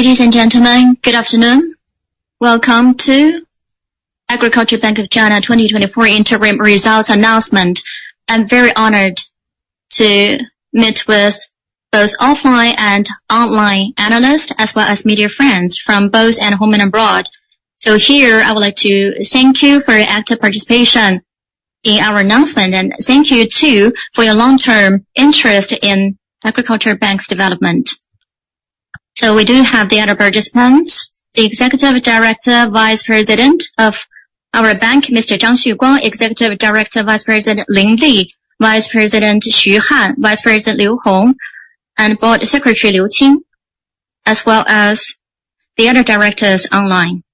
Ladies and gentlemen, good afternoon. Welcome to Agricultural Bank of China 2024 interim results announcement. I'm very honored to meet with both offline and online analysts, as well as media friends from both at home and abroad. So here, I would like to thank you for your active participation in our announcement, and thank you, too, for your long-term interest in Agricultural Bank's development. So we do have the other participants, the Executive Director Vice President of our bank, Mr. Zhang Xuguang, Executive Director Vice President Lin Li, Vice President Xu Han, Vice President Liu Hong, and Board Secretary Liu Qing, as well as the other directors online.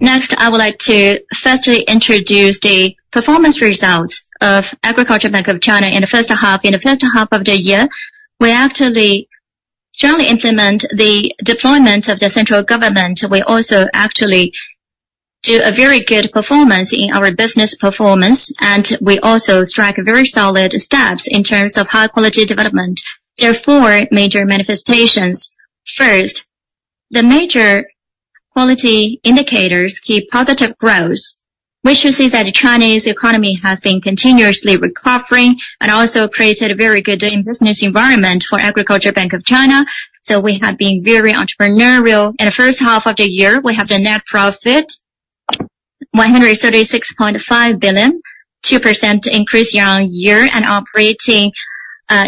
Next, I would like to firstly introduce the performance results of Agricultural Bank of China in the first half. In the first half of the year, we actually strongly implement the deployment of the central government. We also actually do a very good performance in our business performance, and we also strike very solid steps in terms of high quality development. There are four major manifestations. First, the major quality indicators keep positive growth, which you see that the Chinese economy has been continuously recovering and also created a very good doing business environment for Agricultural Bank of China, so we have been very entrepreneurial. In the first half of the year, we have the net profit, 136.5 billion, 2% increase year on year, and operating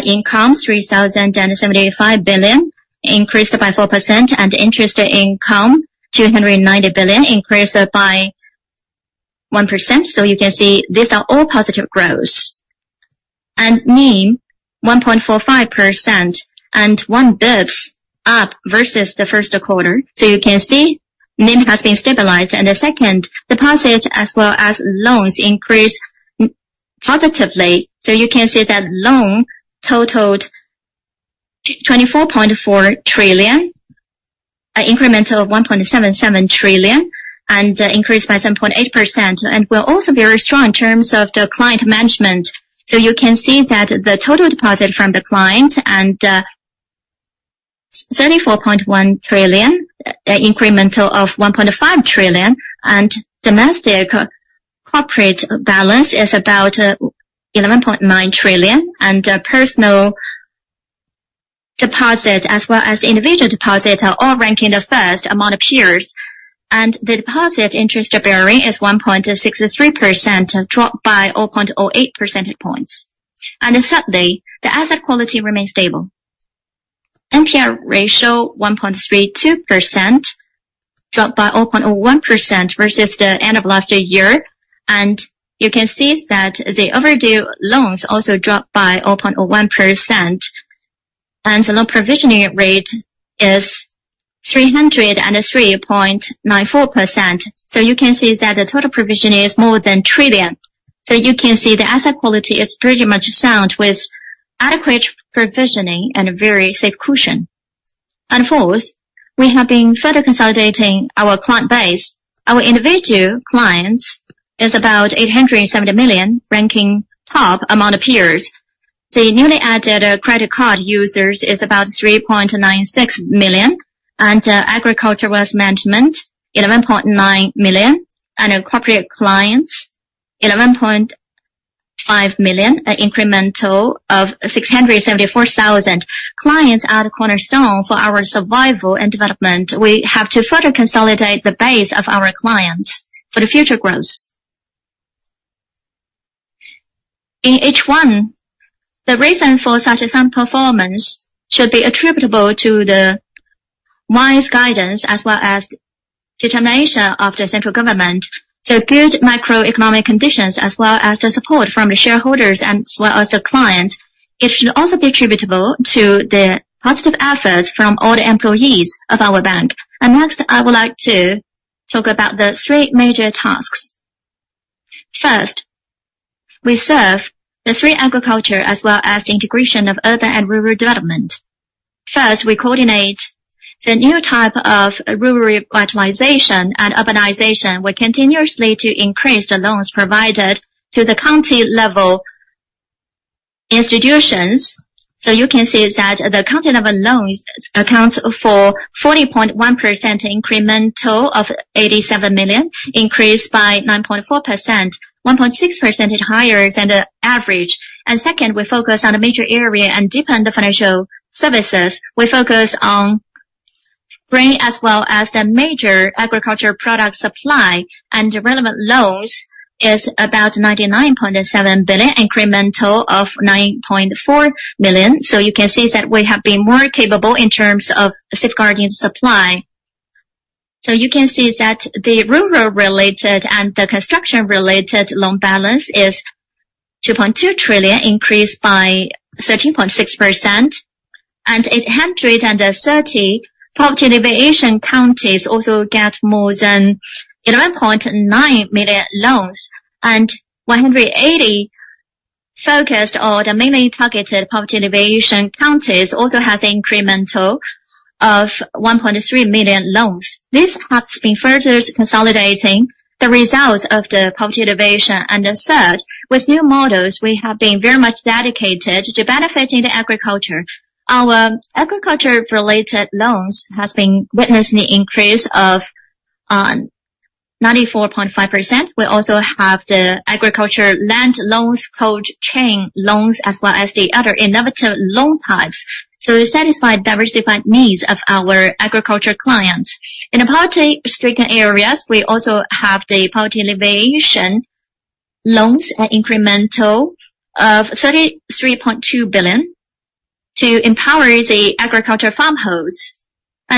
income, 3,075 billion, increased by 4%, and interest income, 290 billion, increased by 1%. So you can see these are all positive growths. And NIM 1.45% and one basis point up versus the first quarter. You can see NIM has been stabilized. The second, deposits as well as loans increased positively. You can see that loan totaled 24.4 trillion, an incremental of 1.77 trillion, and increased by 7.8%. We're also very strong in terms of the client management. You can see that the total deposit from the client and 34.1 trillion, incremental of 1.5 trillion, and domestic corporate balance is about 11.9 trillion, and personal deposit, as well as the individual deposit, are all ranking the first among the peers. The deposit interest bearing is 1.63%, dropped by 0.08 percentage points. Thirdly, the asset quality remains stable. NPL ratio, 1.32%, dropped by 0.01% versus the end of last year. And you can see that the overdue loans also dropped by 0.1%, and the loan provisioning rate is 303.94%. So you can see that the total provisioning is more than 1 trillion. So you can see the asset quality is pretty much sound, with adequate provisioning and a very safe cushion. And fourth, we have been further consolidating our client base. Our individual clients is about 870 million, ranking top among the peers. The newly added, credit card users is about 3.96 million, and agriculture wealth management, 11.9 million, and corporate clients, 11.5 million, an incremental of 674 thousand. Clients are the cornerstone for our survival and development. We have to further consolidate the base of our clients for the future growth. In H1, the reason for such a sound performance should be attributable to the wise guidance as well as determination of the central government, the good macroeconomic conditions, as well as the support from the shareholders and as well as the clients. It should also be attributable to the positive efforts from all the employees of our bank. And next, I would like to talk about the three major tasks. First, we serve the three agriculture as well as the integration of urban and rural development. First, we coordinate the new type of rural revitalization and urbanization. We continuously to increase the loans provided to the county-level institutions. So you can see that the county-level loans accounts for 40.1% incremental of 87 million, increased by 9.4%, one point six percentage higher than the average. And second, we focus on the major area and deepen the financial services. We focus on grain as well as the major agriculture product supply, and the relevant loans is about 99.7 billion, incremental of 9.4 million. So you can see that we have been more capable in terms of safeguarding supply. So you can see that the rural-related and the construction-related loan balance is 2.2 trillion, increased by 13.6%, and 830 poverty alleviation counties also get more than 11.9 million loans. 180, focused on the mainly targeted poverty alleviation counties, also has an incremental of 1.3 million loans. This has been further consolidating the results of the poverty alleviation. The third, with new models, we have been very much dedicated to benefiting the agriculture. Our agriculture-related loans has been witnessing an increase of 94.5%. We also have the agriculture land loans, cold chain loans, as well as the other innovative loan types. So we satisfy diversified needs of our agriculture clients. In the poverty-stricken areas, we also have the poverty alleviation loans, an incremental of 33.2 billion to empower the agriculture farm hosts.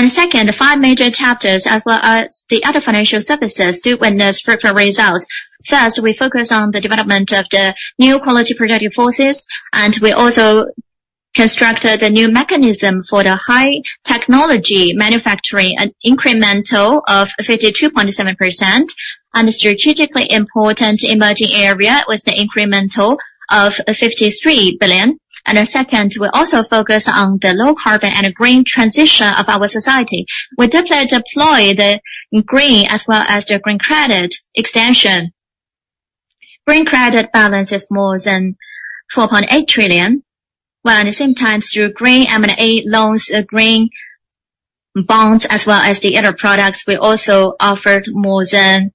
Second, the five major chapters, as well as the other financial services, do witness fruitful results. First, we focus on the development of the New Quality Productive Forces, and we also constructed a new mechanism for the high technology manufacturing, an incremental of 52.7%, and a strategically important emerging area with the incremental of 53 billion. Then, second, we also focus on the low carbon and green transition of our society. We deeply deploy the green as well as the green credit extension. Green credit balance is more than 4.8 trillion, while at the same time, through green M&A loans, green bonds, as well as the other products, we also offered more than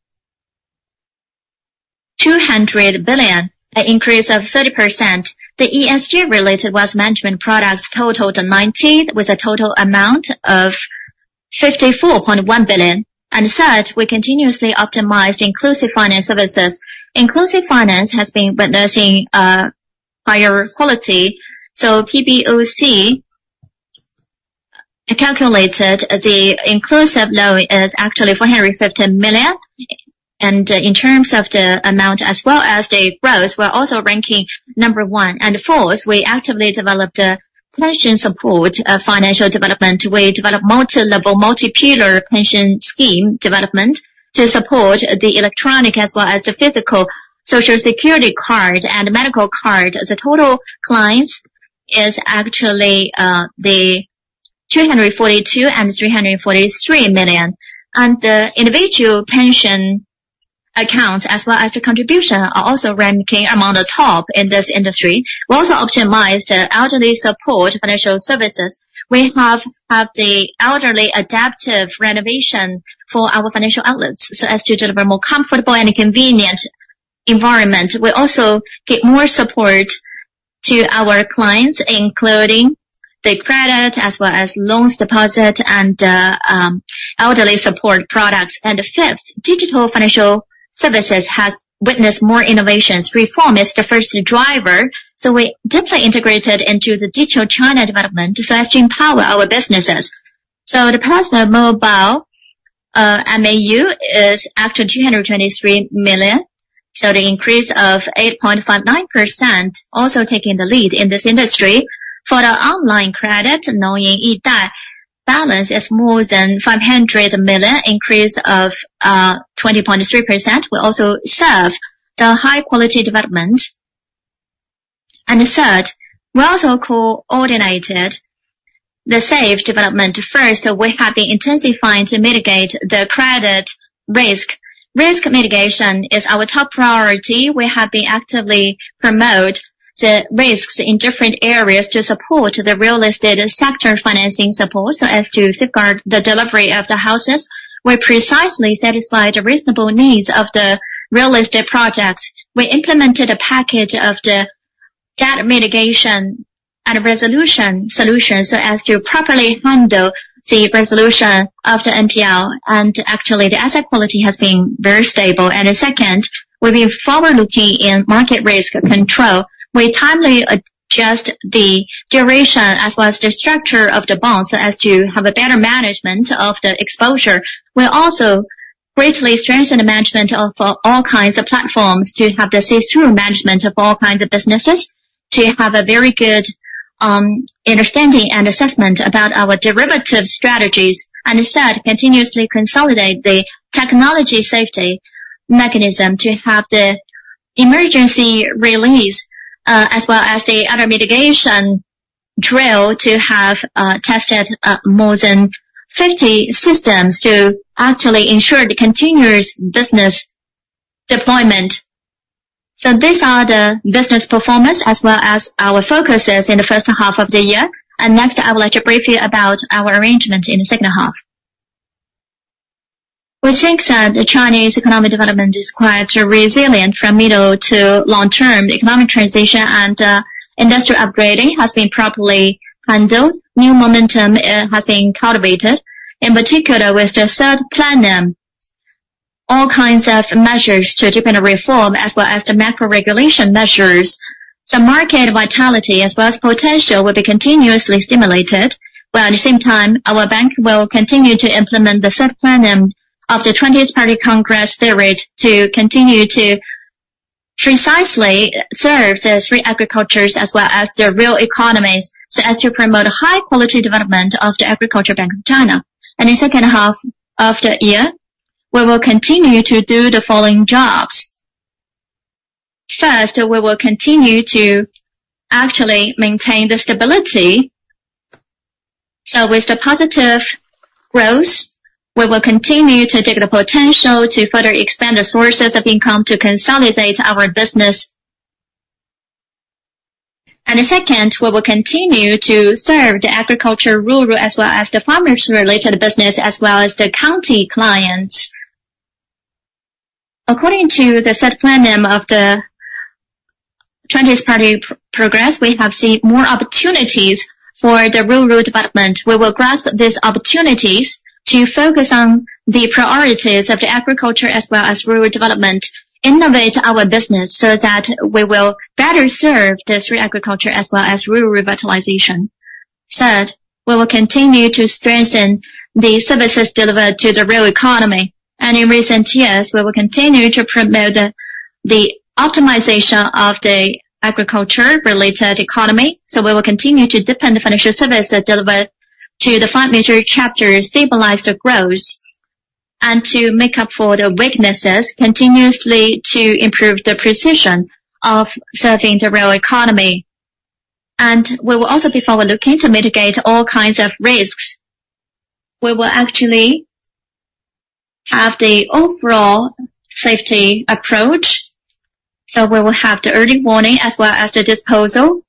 200 billion, an increase of 30%. The ESG-related wealth management products totaled 19, with a total amount of 54.1 billion. Third, we continuously optimized inclusive finance services. Inclusive finance has been witnessing higher quality, so PBOC calculated the inclusive loan is actually four hundred and fifty million. In terms of the amount as well as the growth, we're also ranking number one. Fourth, we actively developed a pension support financial development. We developed multi-level, multi-pillar pension scheme development to support the electronic as well as the physical Social Security card and medical card. The total clients is actually the two hundred and forty-two and three hundred and forty-three million. The individual pension accounts, as well as the contribution, are also ranking among the top in this industry. We also optimized the elderly support financial services. We have had the elderly adaptive renovation for our financial outlets, so as to deliver more comfortable and convenient environment. We also give more support to our clients, including the credit, as well as loans deposit and elderly support products. And fifth, digital financial services has witnessed more innovations. Reform is the first driver, so we deeply integrated into the Digital China development so as to empower our businesses. So the personal mobile MAU is up to 223 million, so the increase of 8.59%, also taking the lead in this industry. For the online credit, Nongyin e-Dai balance is more than 500 million, increase of 20.3%. We also serve the high-quality development. And the third, we also coordinated the safe development. First, we have been intensifying to mitigate the credit risk. Risk mitigation is our top priority. We have been actively promoting the risks in different areas to support the real estate sector financing support, so as to safeguard the delivery of the houses. We precisely satisfy the reasonable needs of the real estate projects. We implemented a package of the debt mitigation and resolution solution, so as to properly handle the resolution of the NPL, and actually, the asset quality has been very stable, and the second, we're being forward-looking in market risk control. We timely adjust the duration as well as the structure of the bonds, so as to have a better management of the exposure. We also greatly strengthen the management of all kinds of platforms to have the see-through management of all kinds of businesses, to have a very good understanding and assessment about our derivative strategies, and instead, continuously consolidate the technology safety mechanism to have the emergency release, as well as the other mitigation drill to have tested more than 50 systems to actually ensure the continuous business deployment. These are the business performance as well as our focuses in the first half of the year. Next, I would like to brief you about our arrangement in the second half. We think that the Chinese economic development is quite resilient. From middle to long term, economic transition and industrial upgrading has been properly handled. New momentum has been cultivated, in particular, with the Third Plenum, all kinds of measures to deepen the reform, as well as the macro regulation measures. Market vitality as well as potential will be continuously stimulated, while at the same time, our bank will continue to implement the ... First, we will continue to actually maintain the stability. So with the positive growth, we will continue to dig the potential to further expand the sources of income to consolidate our business. And the second, we will continue to serve the agriculture rural, as well as the farmers-related business, as well as the county clients. According to the set plan of the Chinese Party's progress, we have seen more opportunities for the rural development. We will grasp these opportunities to focus on the priorities of the agriculture as well as rural development, innovate our business so that we will better serve this rural agriculture as well as rural revitalization. Third, we will continue to strengthen the services delivered to the real economy, and in recent years, we will continue to promote the optimization of the agriculture-related economy. So we will continue to deepen the financial services delivered to the five major chapters, stabilize the growth, and to make up for the weaknesses continuously to improve the precision of serving the real economy. And we will also be forward-looking to mitigate all kinds of risks. We will actually have the overall safety approach, so we will have the early warning as well as the disposal,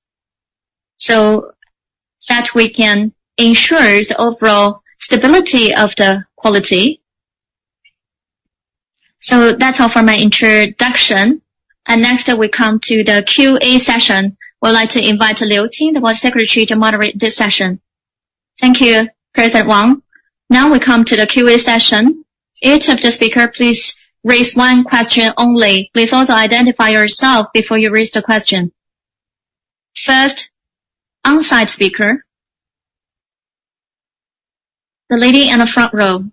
so that we can ensure the overall stability of the quality. So that's all for my introduction. And next, we come to the QA session. I would like to invite Liu Qing, the Board Secretary, to moderate this session. Thank you, President Wang. Now we come to the Q&A session. Each of the speaker, please raise one question only. Please also identify yourself before you raise the question. First, on-site speaker. The lady in the front row.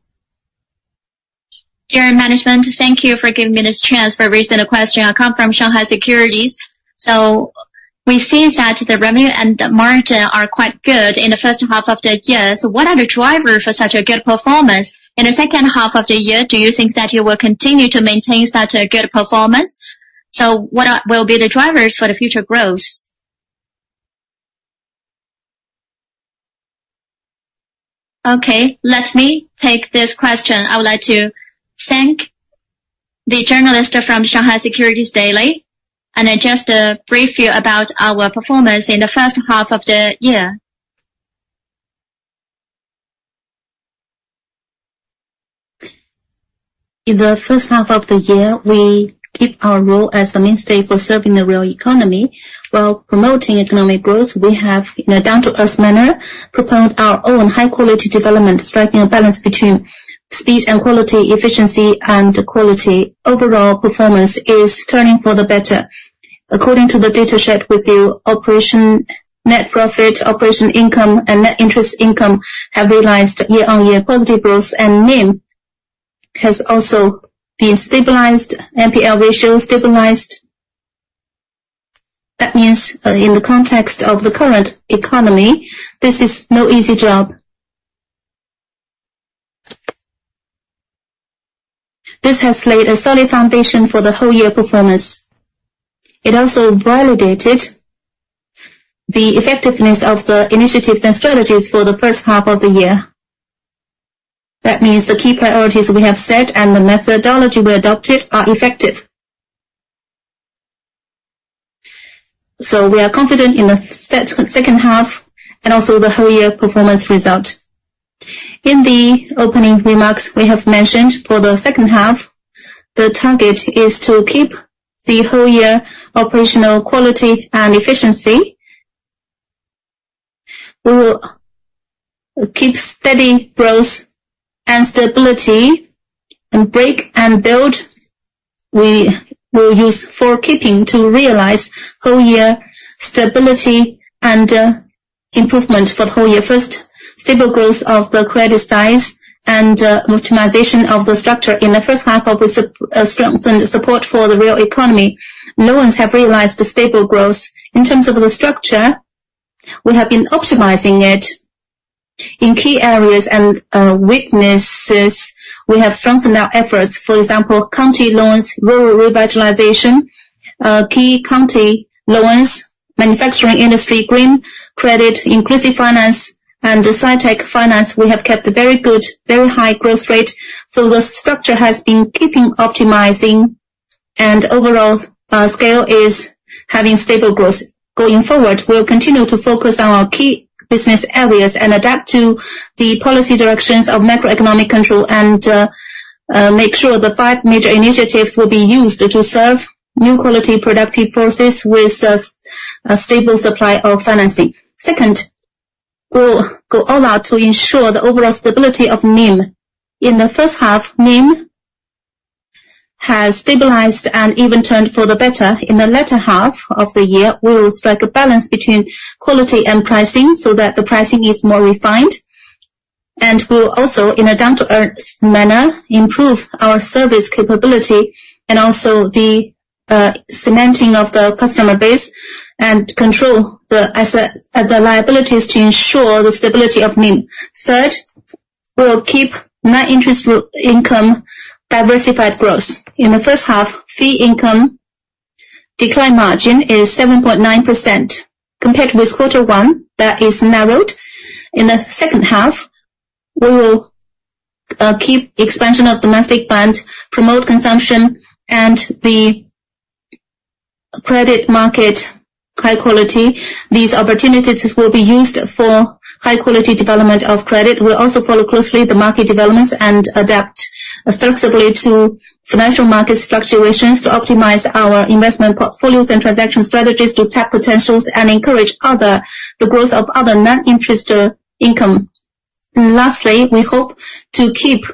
Dear management, thank you for giving me this chance for raising a question. I come from Shanghai Securities News. So we've seen that the revenue and the margin are quite good in the first half of the year. So what are the drivers for such a good performance? In the second half of the year, do you think that you will continue to maintain such a good performance? So what will be the drivers for the future growth? Okay, let me take this question. I would like to thank the journalist from Shanghai Securities News, and I just brief you about our performance in the first half of the year. In the first half of the year, we keep our role as the mainstay for serving the real economy. While promoting economic growth, we have, in a down-to-earth manner, propelled our own high quality development, striking a balance between speed and quality, efficiency and quality. Overall performance is turning for the better. According to the data shared with you, operation, net profit, operational income and net interest income have realized year-on-year positive growth, and NIM has also been stabilized, NPL ratio stabilized. That means, in the context of the current economy, this is no easy job. This has laid a solid foundation for the whole year performance. It also validated the effectiveness of the initiatives and strategies for the first half of the year. That means the key priorities we have set and the methodology we adopted are effective. So we are confident in the set second half and also the whole year performance result. In the opening remarks, we have mentioned for the second half, the target is to keep the whole year operational quality and efficiency. We will keep steady growth and stability and break and build. We will use four keeping to realize whole year stability and improvement for the whole year. First, stable growth of the credit size and optimization of the structure. In the first half of this strengthened support for the real economy, loans have realized a stable growth. In terms of the structure, we have been optimizing it. In key areas and weaknesses, we have strengthened our efforts. For example, county loans, rural revitalization, key county loans, manufacturing industry, green credit, inclusive finance, and sci-tech finance. We have kept a very good, very high growth rate, so the structure has been keeping optimizing and overall, scale is having stable growth. Going forward, we'll continue to focus on our key business areas and adapt to the policy directions of macroeconomic control, and make sure the five major initiatives will be used to serve new quality productive forces with a stable supply of financing. Second, we'll go all out to ensure the overall stability of NIM. In the first half, NIM has stabilized and even turned for the better. In the latter half of the year, we'll strike a balance between quality and pricing so that the pricing is more refined. We'll also, in a down-to-earth manner, improve our service capability and also the cementing of the customer base and control the assets and the liabilities to ensure the stability of NIM. Third. We will keep non-interest income diversified growth. In the first half, fee income decline margin is 7.9%. Compared with quarter one, that is narrowed. In the second half, we will keep expansion of domestic banks, promote consumption, and the credit market high quality. These opportunities will be used for high quality development of credit. We'll also follow closely the market developments and adapt flexibly to financial market fluctuations to optimize our investment portfolios and transaction strategies to tap potentials and encourage the growth of other non-interest income. Lastly, we hope to keep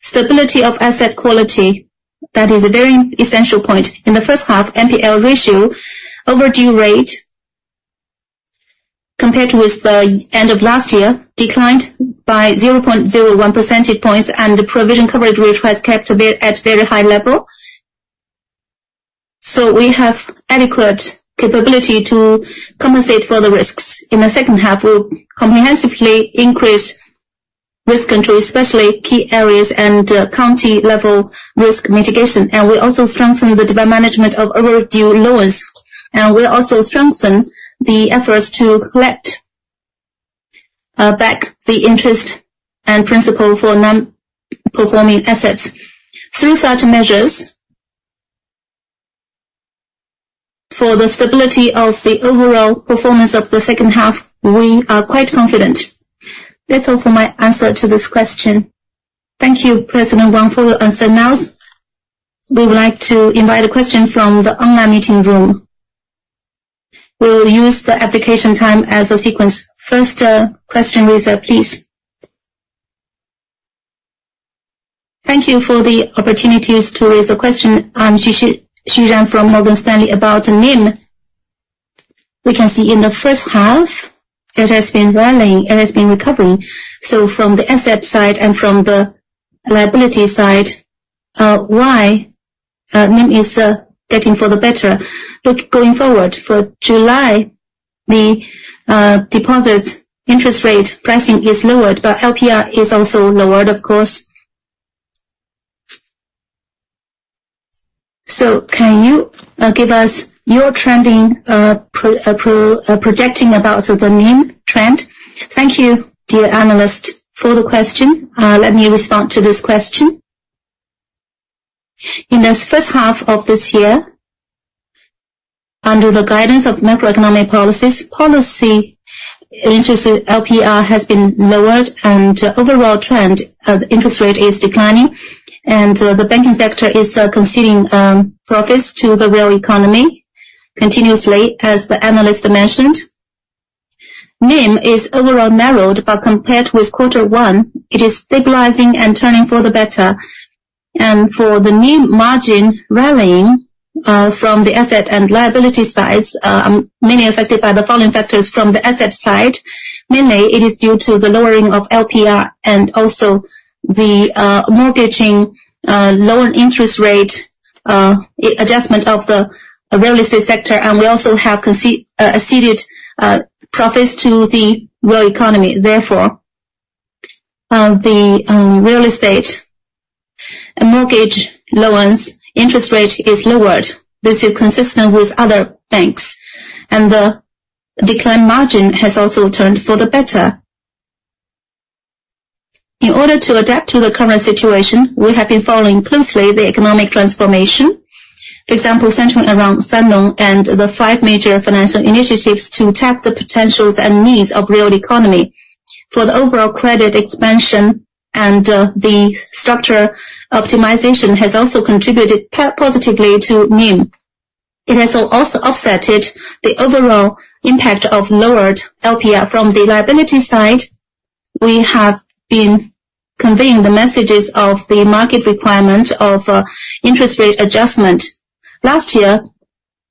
stability of asset quality. That is a very essential point. In the first half, NPL ratio overdue rate, compared with the end of last year, declined by 0.01 percentage points, and the provision coverage rate was kept at very high level. So we have adequate capability to compensate for the risks. In the second half, we'll comprehensively increase risk control, especially key areas and county level risk mitigation. And we also strengthen the debt management of overdue loans. And we'll also strengthen the efforts to collect back the interest and principal for non-performing assets. Through such measures, for the stability of the overall performance of the second half, we are quite confident. That's all for my answer to this question. Thank you, President Wang, for the answer. Now, we would like to invite a question from the online meeting room. We will use the application time as a sequence. First, question raiser, please. Thank you for the opportunity to raise a question. I'm Xu Jian from Morgan Stanley about NIM. We can see in the first half, it has been rallying, it has been recovering. So from the asset side and from the liability side, why NIM is getting better? Look, going forward, for July, the deposits interest rate pricing is lowered, but LPR is also lowered, of course. So can you give us your trend projection about the NIM trend? Thank you, dear analyst, for the question. Let me respond to this question. In the first half of this year, under the guidance of macroeconomic policies, policy interest LPR has been lowered and overall trend of interest rate is declining, and the banking sector is conceding profits to the real economy continuously, as the analyst mentioned. NIM is overall narrowed, but compared with quarter one, it is stabilizing and turning for the better. And for the NIM margin rallying, from the asset and liability sides, mainly affected by the following factors from the asset side. Mainly, it is due to the lowering of LPR and also the mortgaging lower interest rate adjustment of the real estate sector. And we also have ceded profits to the real economy. Therefore, the real estate mortgage loans interest rate is lowered. This is consistent with other banks, and the decline margin has also turned for the better. In order to adapt to the current situation, we have been following closely the economic transformation. For example, centering around Sanong and the five major financial initiatives to tap the potentials and needs of real economy. For the overall credit expansion and the structure optimization has also contributed positively to NIM. It has also offset the overall impact of lowered LPR. From the liability side, we have been conveying the messages of the market requirement of interest rate adjustment. Last year,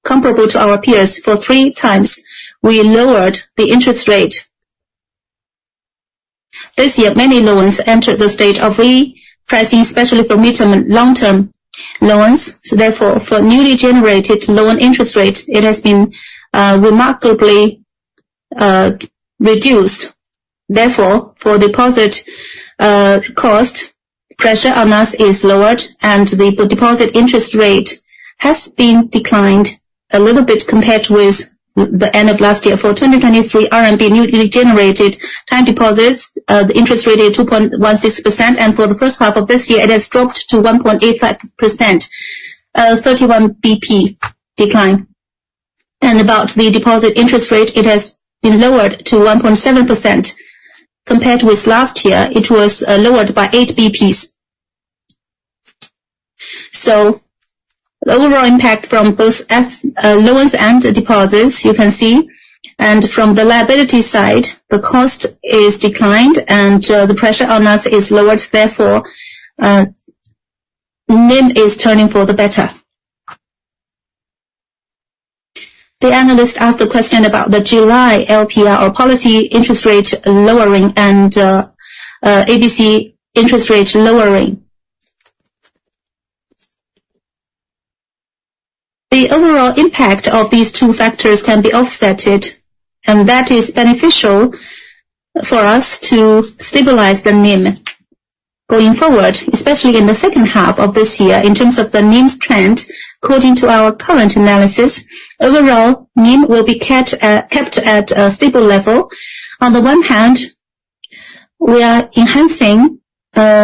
comparable to our peers, for three times, we lowered the interest rate. This year, many loans entered the stage of repricing, especially for midterm and long-term loans. So therefore, for newly generated loan interest rate, it has been remarkably reduced. Therefore, for deposit cost, pressure on us is lowered and the deposit interest rate has been declined a little bit compared with the end of last year. For 2023 RMB, newly generated time deposits, the interest rate is 2.16%, and for the first half of this year, it has dropped to 1.85%, 31 basis points decline. About the deposit interest rate, it has been lowered to 1.7%. Compared with last year, it was lowered by 8 basis points. The overall impact from both as loans and deposits, you can see. From the liability side, the cost is declined and the pressure on us is lowered. Therefore, NIM is turning for the better. The analyst asked a question about the July LPR or policy interest rate lowering and ABC interest rate lowering. The overall impact of these two factors can be offset, and that is beneficial for us to stabilize the NIM going forward, especially in the second half of this year. In terms of the NIM's trend, according to our current analysis, overall, NIM will be kept at a stable level. On the one hand, we are enhancing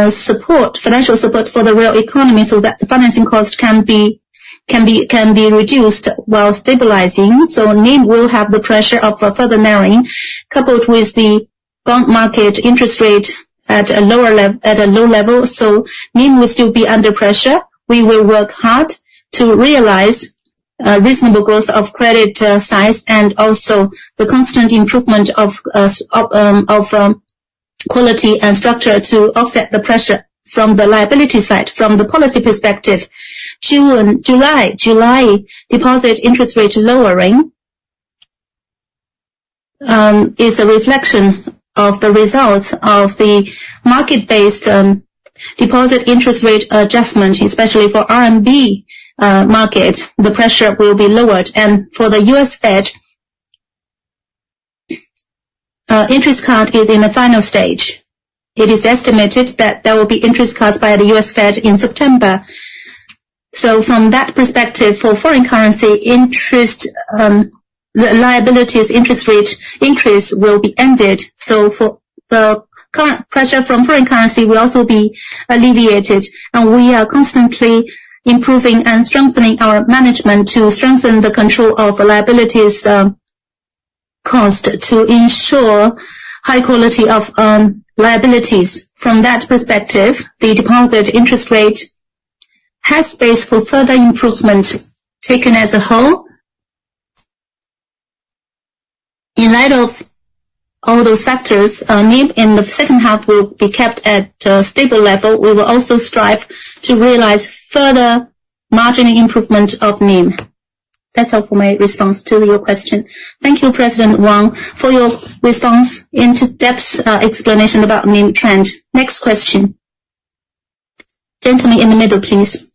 support, financial support for the real economy so that the financing cost can be reduced while stabilizing. So NIM will have the pressure of a further narrowing, coupled with the bond market interest rate at a low level, so NIM will still be under pressure. We will work hard to realize reasonable growth of credit size and also the constant improvement of quality and structure to offset the pressure from the liability side. From the policy perspective, June, July deposit interest rate lowering is a reflection of the results of the market-based deposit interest rate adjustment, especially for RMB market, the pressure will be lowered. For the US Fed, interest cut is in the final stage. It is estimated that there will be interest cuts by the US Fed in September. From that perspective, for foreign currency interest, the liabilities interest rate increase will be ended. So for the current pressure from foreign currency will also be alleviated, and we are constantly improving and strengthening our management to strengthen the control of liabilities cost to ensure high quality of liabilities. From that perspective, the deposit interest rate has space for further improvement. Taken as a whole, in light of all those factors, NIM in the second half will be kept at a stable level. We will also strive to realize further margin improvement of NIM. That's all for my response to your question. Thank you, President Wang, for your response and in-depth explanation about NIM trend. Next question. Gentleman in the middle, please.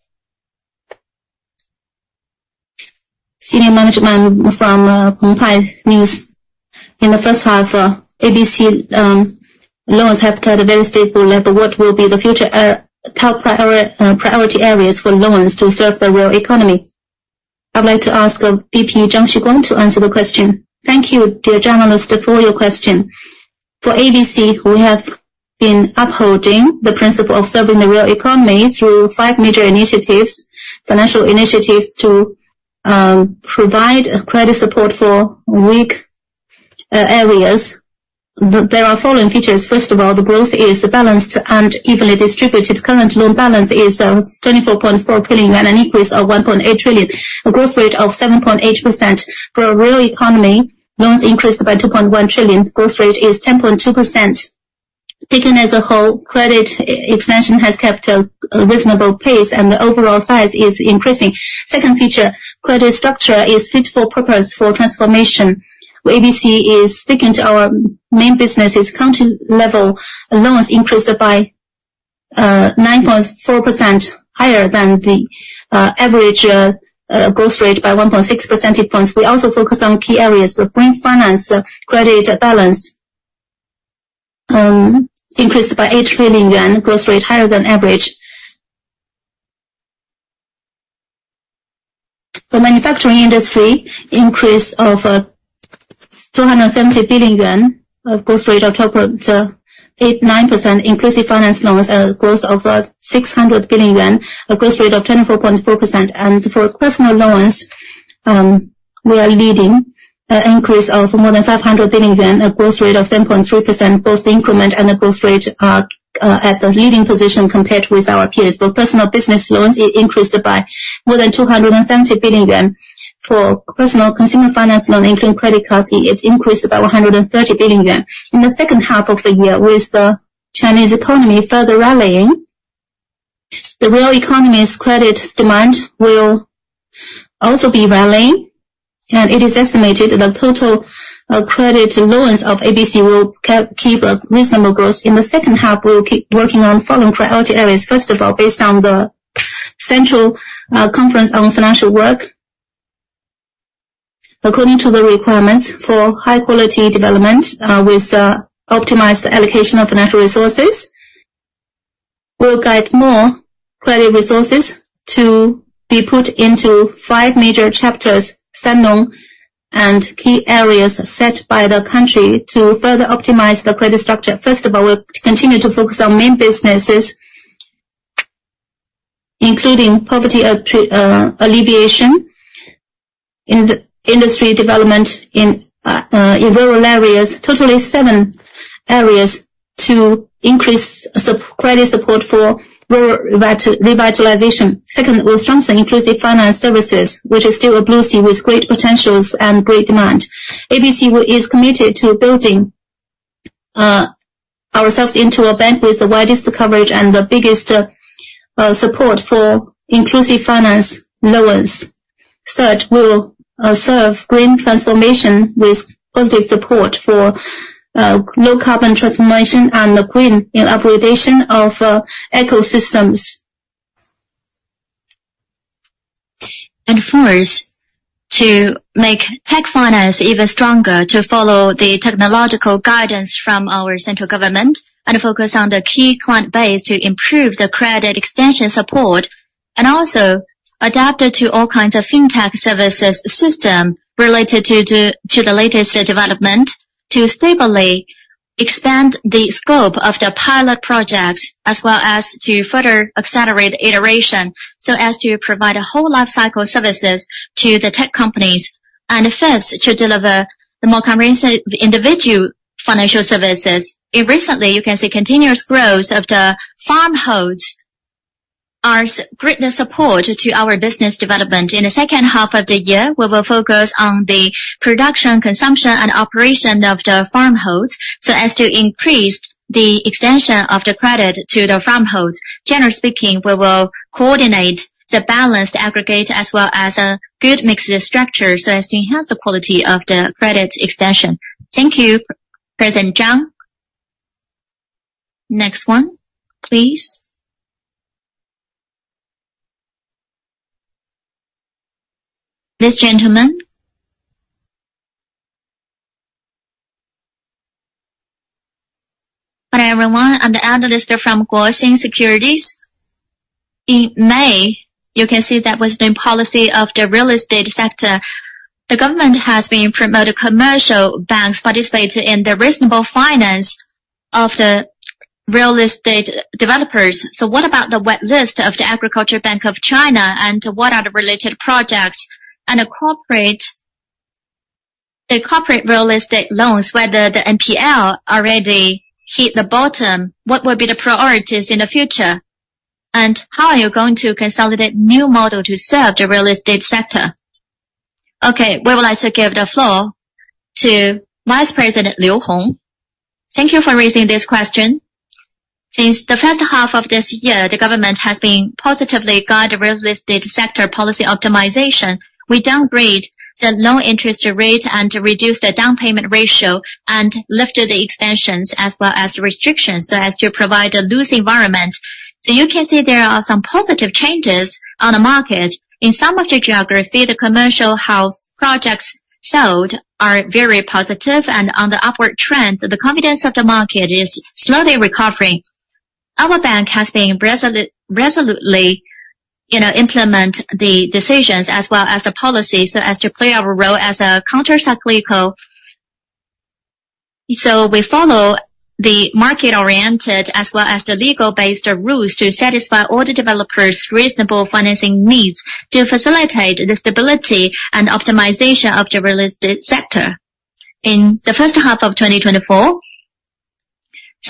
Senior management from Hong Kong Economic Times. In the first half, ABC loans have kept a very stable level. What will be the future top priority areas for loans to serve the real economy? I'd like to ask VP Zhang Xuguang to answer the question. Thank you, dear journalist, for your question. For ABC, we have been upholding the principle of serving the real economy through five major initiatives, financial initiatives, to provide credit support for weak areas. There are following features: First of all, the growth is balanced and evenly distributed. Current loan balance is 24.4 trillion yuan, an increase of 1.8 trillion, a growth rate of 7.8%. For real economy, loans increased by 2.1 trillion, growth rate is 10.2%. Taken as a whole, credit expansion has kept a reasonable pace and the overall size is increasing. Second feature, credit structure is fit for purpose for transformation. ABC is sticking to our main businesses. County level loans increased by 9.4%, higher than the average growth rate by 1.6 percentage points. We also focus on key areas of green finance. Credit balance increased by 8 trillion yuan, growth rate higher than average. The manufacturing industry increase of 270 billion yuan, a growth rate of 12.89%, inclusive finance loans growth of 600 billion yuan, a growth rate of 24.4%. And for personal loans, we are leading an increase of more than 500 billion yuan, a growth rate of 10.3%. Both the increment and the growth rate are at the leading position compared with our peers. For personal business loans, it increased by more than 270 billion yuan. For personal consumer finance loans including credit cards, it increased about 130 billion yuan. In the second half of the year, with the Chinese economy further rallying, the real economy's credit demand will also be rallying, and it is estimated that the total credit loans of ABC will keep a reasonable growth. In the second half, we will keep working on following priority areas. First of all, based on the central conference on financial work, according to the requirements for high quality development, with optimized allocation of financial resources, we'll get more credit resources to be put into five major chapters, seven and key areas set by the country to further optimize the credit structure. First of all, we'll continue to focus on main businesses, including poverty alleviation and industry development in rural areas. Totally seven areas to increase credit support for rural revitalization. Second, we'll strengthen inclusive finance services, which is still a blue sea with great potentials and great demand. ABC is committed to building ourselves into a bank with the widest coverage and the biggest support for inclusive finance loans. Third, we'll-... serve green transformation with positive support for low carbon transformation and the green industrial upgradation of ecosystems. And fourth, to make tech finance even stronger, to follow the technological guidance from our central government and focus on the key client base to improve the credit extension support, and also adapt it to all kinds of fintech services system related to the latest development, to stably expand the scope of the pilot projects, as well as to further accelerate iteration, so as to provide a whole life cycle services to the tech companies, and first, to deliver the more comprehensive individual financial services. In recent years, you can see continuous growth of the farm households are such great support to our business development. In the second half of the year, we will focus on the production, consumption, and operation of the farm households, so as to increase the extension of the credit to the farm households. Generally speaking, we will coordinate the balanced aggregate as well as a good mixed structure, so as to enhance the quality of the credit extension. Thank you, President Zhang. Next one, please. This gentleman. Hi, everyone, I'm the analyst from Guoxin Securities. In May, you can see that with the policy of the real estate sector, the government has been promoting commercial banks participating in the reasonable finance of the real estate developers. So what about the white list of the Agricultural Bank of China, and what are the related projects and the corporate, the corporate real estate loans, whether the NPL already hit the bottom? What will be the priorities in the future, and how are you going to consolidate new model to serve the real estate sector? Okay, we would like to give the floor to Vice President Liu Hong. Thank you for raising this question. Since the first half of this year, the government has been positively guide the real estate sector policy optimization. We downgrade the low interest rate and reduce the down payment ratio, and lifted the extensions as well as restrictions, so as to provide a loose environment. You can see there are some positive changes on the market. In some of the geography, the commercial house projects sold are very positive, and on the upward trend, the confidence of the market is slowly recovering. Our bank has been resolutely, you know, implement the decisions as well as the policy, so as to play our role as a countercyclical. We follow the market-oriented as well as the legal-based rules to satisfy all the developers' reasonable financing needs to facilitate the stability and optimization of the real estate sector. In the first half of twenty twenty-four,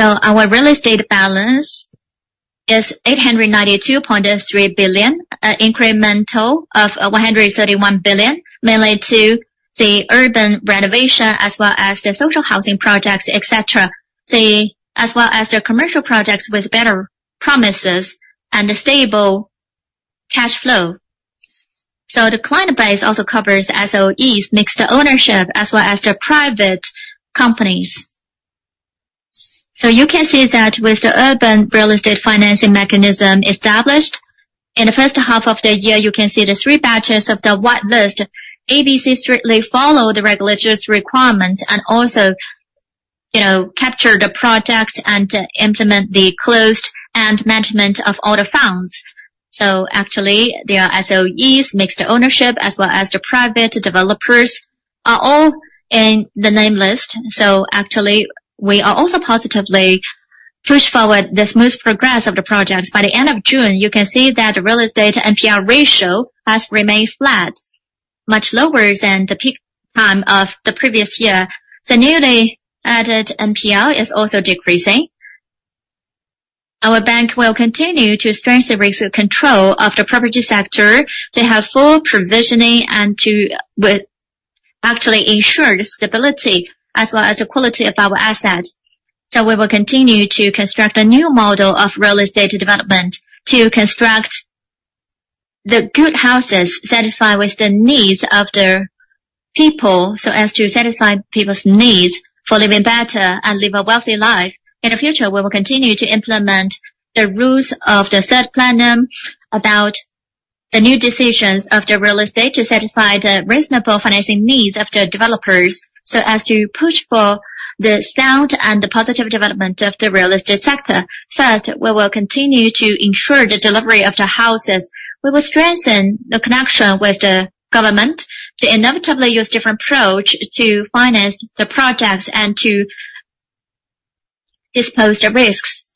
our real estate balance is 892.3 billion, incremental of 131 billion, mainly to the urban renovation as well as the social housing projects, et cetera, as well as the commercial projects with better promises and a stable cash flow. The client base also covers SOEs, mixed ownership, as well as the private companies. You can see that with the urban real estate financing mechanism established, in the first half of the year, you can see the three batches of the White List. ABC strictly follow the regulators' requirements and also, you know, capture the projects and implement the closed-loop management of all the funds. Actually, the SOEs, mixed ownership, as well as the private developers, are all in the White List. Actually, we are also positively push forward the smooth progress of the projects. By the end of June, you can see that the real estate NPL ratio has remained flat, much lower than the peak time of the previous year. The newly added NPL is also decreasing. Our bank will continue to strengthen risk control of the property sector to have full provisioning and to actually ensure the stability as well as the quality of our assets. So we will continue to construct a new model of real estate development to construct the good houses, satisfy with the needs of the people, so as to satisfy people's needs for living better and live a wealthy life. In the future, we will continue to implement the rules of the Third Plenum about the new decisions of the real estate, to satisfy the reasonable financing needs of the developers, so as to push for the sound and the positive development of the real estate sector. First, we will continue to ensure the delivery of the houses. We will strengthen the connection with the government to inevitably use different approach to finance the projects and to dispose the risks.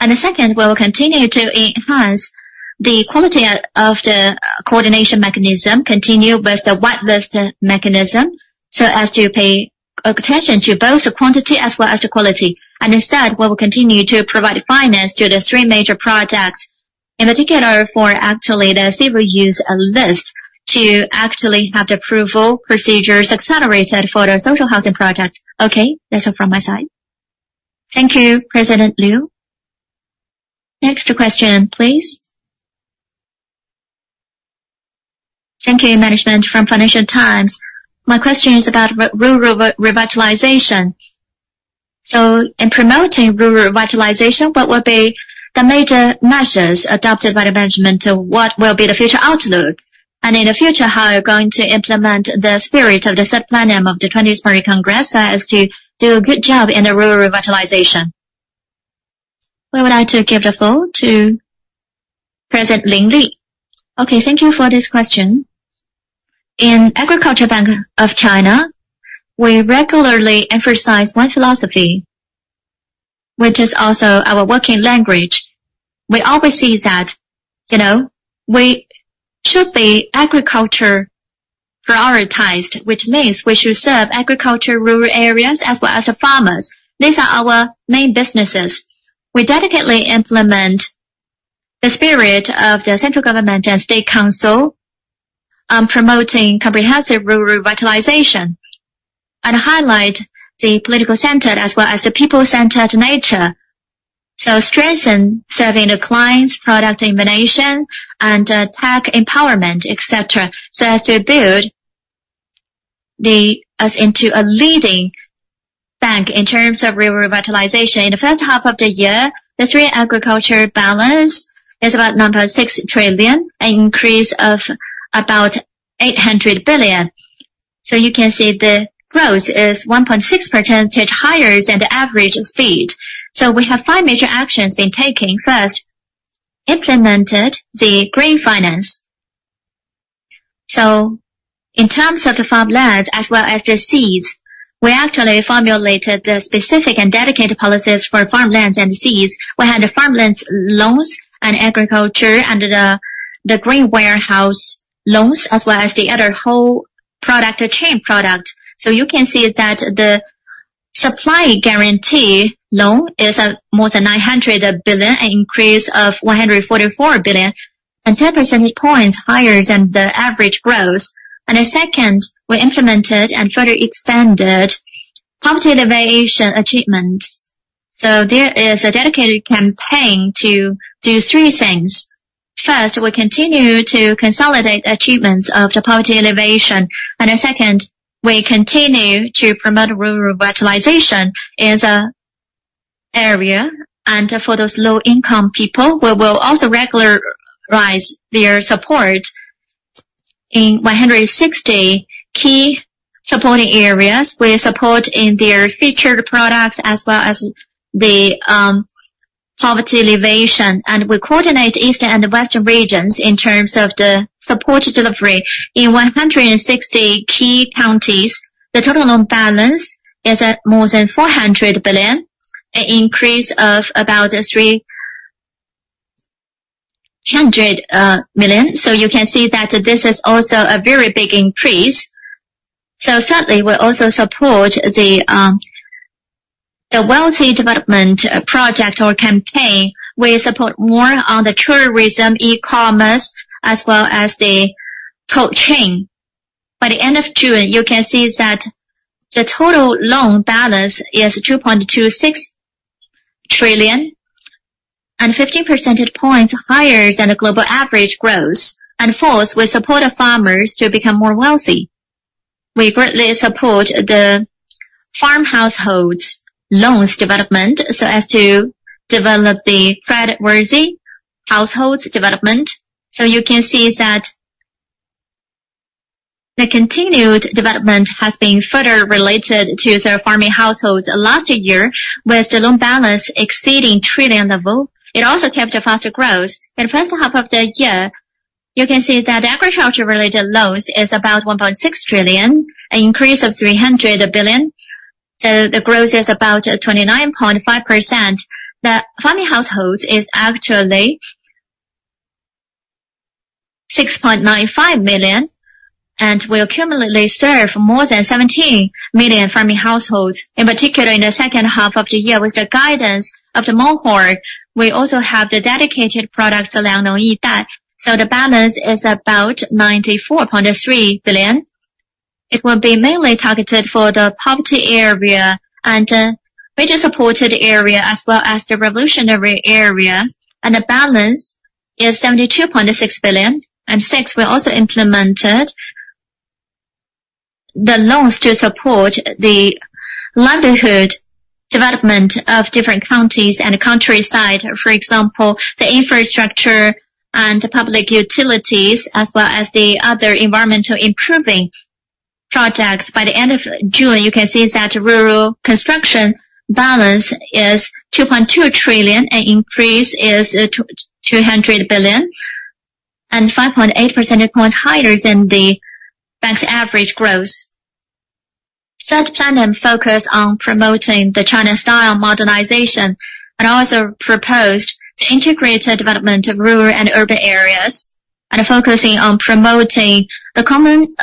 The second, we will continue to enhance the quality of the coordination mechanism, continue with the white list mechanism, so as to pay attention to both the quantity as well as the quality. Instead, we will continue to provide finance to the three major projects, in particular, for actually the real estate white list, to actually have the approval procedures accelerated for the social housing projects. Okay, that's all from my side. Thank you, President Liu. Next question, please. Thank you, management from Financial Times. My question is about rural revitalization. In promoting rural revitalization, what will be the major measures adopted by the management, and what will be the future outlook? In the future, how are you going to implement the spirit of the Third Plenary Session of the 20th Central Committee as to do a good job in the rural revitalization? We would like to give the floor to President Lin Li. Okay, thank you for this question. In Agricultural Bank of China, we regularly emphasize one philosophy, which is also our working language. We always say that, you know, we should be agriculture prioritized, which means we should serve agriculture, rural areas, as well as the farmers. These are our main businesses. We delicately implement the spirit of the central government and state council on promoting comprehensive rural revitalization, and highlight the political centered as well as the people-centered nature, so strengthen serving the clients, product innovation, and tech empowerment, et cetera, so as to build us into a leading bank in terms of rural revitalization. In the first half of the year, the three agriculture balance is about 6 trillion, an increase of about 800 billion. So you can see the growth is 1.6% higher than the average speed. So we have five major actions being taken. First, implemented the green finance. So in terms of the farmlands as well as the seeds, we actually formulated the specific and dedicated policies for farmlands and seeds. We had the farmlands loans and agriculture, and the green warehouse loans, as well as the other whole product or chain product. So you can see that the supply guarantee loan is more than 900 billion, an increase of 144 billion, and 10 percentage points higher than the average growth. And the second, we implemented and further expanded poverty alleviation achievements. So there is a dedicated campaign to do three things. First, we continue to consolidate achievements of the poverty alleviation. The second, we continue to promote rural revitalization as an area. For those low-income people, we will also regularize their support. In 160 key supporting areas, we support in their featured products as well as the poverty alleviation. We coordinate eastern and western regions in terms of the support delivery. In 160 key counties, the total loan balance is at more than 400 billion, an increase of about 300 million. You can see that this is also a very big increase. Certainly, we also support the wealthy development project or campaign. We support more on the tourism, e-commerce, as well as the cold chain. By the end of June, you can see that the total loan balance is 2.26 trillion and 15 percentage points higher than the global average growth. Fourth, we support the farmers to become more wealthy. We greatly support the farm households loans development so as to develop the creditworthy households development. So you can see that the continued development has been further related to the farming households last year, with the loan balance exceeding trillion level. It also kept a faster growth. In the first half of the year, you can see that agriculture-related loans is about 1.6 trillion, an increase of 300 billion. So the growth is about 29.5%. The farming households is actually 6.95 million, and we accumulatively serve more than 17 million farming households. In particular, in the second half of the year, with the guidance of the MOHURD, we also have the dedicated product, Liangnong e-Dai. So the balance is about 94.3 billion. It will be mainly targeted for the poverty area and major supported area, as well as the revolutionary area, and the balance is 72.6 billion. Six, we also implemented the loans to support the livelihood development of different counties and the countryside. For example, the infrastructure and public utilities, as well as the other environmental improving projects. By the end of June, you can see that rural construction balance is 2.2 trillion, an increase is 200 billion and 5.8 percentage points higher than the bank's average growth. Third Plenum focus on promoting the China-style modernization, and also proposed the integrated development of rural and urban areas, and focusing on promoting the common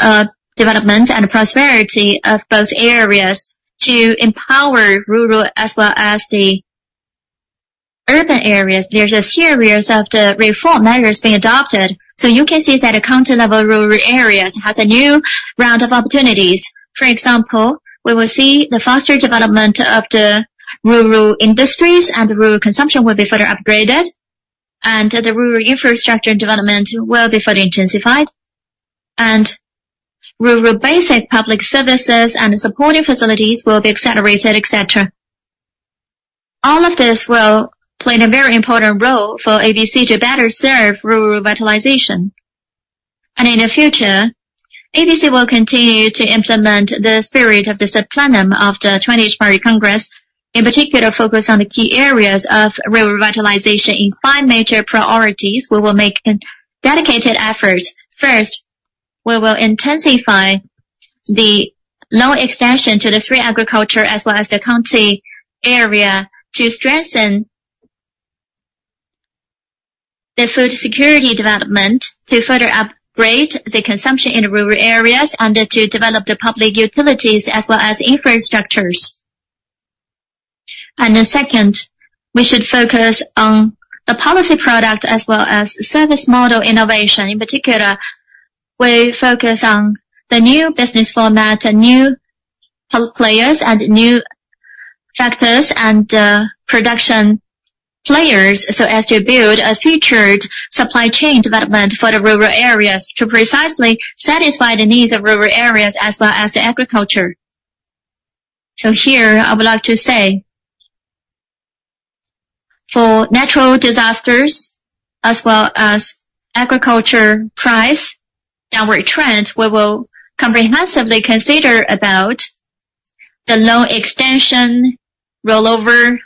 development and prosperity of both areas to empower rural as well as the urban areas. There's a series of the reform measures being adopted, so you can see that the county-level rural areas has a new round of opportunities. For example, we will see the faster development of the rural industries, and rural consumption will be further upgraded, and the rural infrastructure development will be further intensified, and rural basic public services and supporting facilities will be accelerated, et cetera. All of this will play a very important role for ABC to better serve rural revitalization, and in the future, ABC will continue to implement the spirit of the Third Plenum of the Twentieth Party Congress, in particular, focus on the key areas of rural revitalization. In five major priorities, we will make dedicated efforts. First, we will intensify the loan extension to the Sanong as well as the county area to strengthen the food security development, to further upgrade the consumption in rural areas, and to develop the public utilities as well as infrastructures. And then second, we should focus on the policy product as well as service model innovation. In particular, we focus on the new business format, and new players, and new factors, and production players, so as to build a featured supply chain development for the rural areas to precisely satisfy the needs of rural areas as well as the agriculture. So here, I would like to say, for natural disasters as well as agriculture price downward trend, we will comprehensively consider about the loan extension, rollover,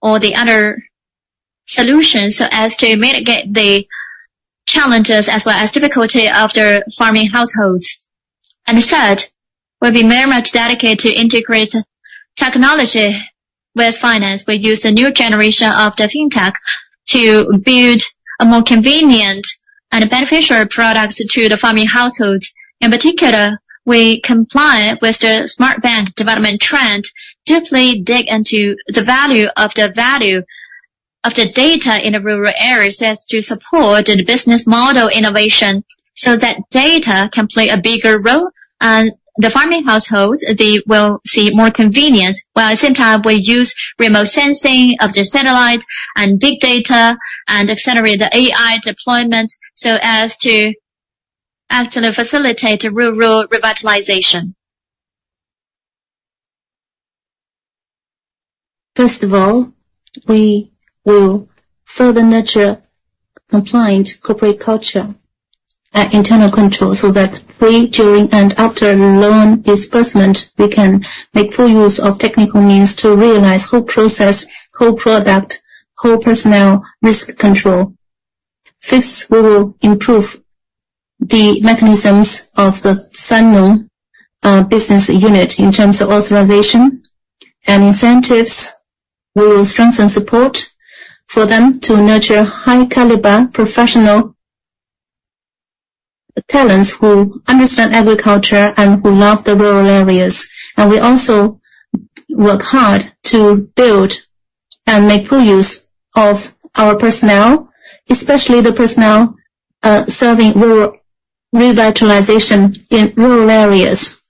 or the other solutions, so as to mitigate the challenges as well as difficulty of the farming households. Third, we'll be very much dedicated to integrate technology with finance. We use a new generation of the fintech to build a more convenient and beneficial products to the farming households. In particular, we comply with the smart bank development trend, deeply dig into the value of the data in the rural areas, as to support the business model innovation, so that data can play a bigger role. The farming households, they will see more convenience, while at the same time, we use remote sensing of the satellites and big data and accelerate the AI deployment, so as to actually facilitate the rural revitalization. First of all, we will further nurture compliant corporate culture and internal control, so that pre, during, and after loan disbursement, we can make full use of technical means to realize whole process, whole product, whole personnel risk control. Fifth, we will improve the mechanisms of the Sanong business unit in terms of authorization and incentives. We will strengthen support for them to nurture high caliber professional talents who understand agriculture and who love the rural areas. And we also work hard to build and make full use of our personnel, especially the personnel serving rural revitalization in rural areas.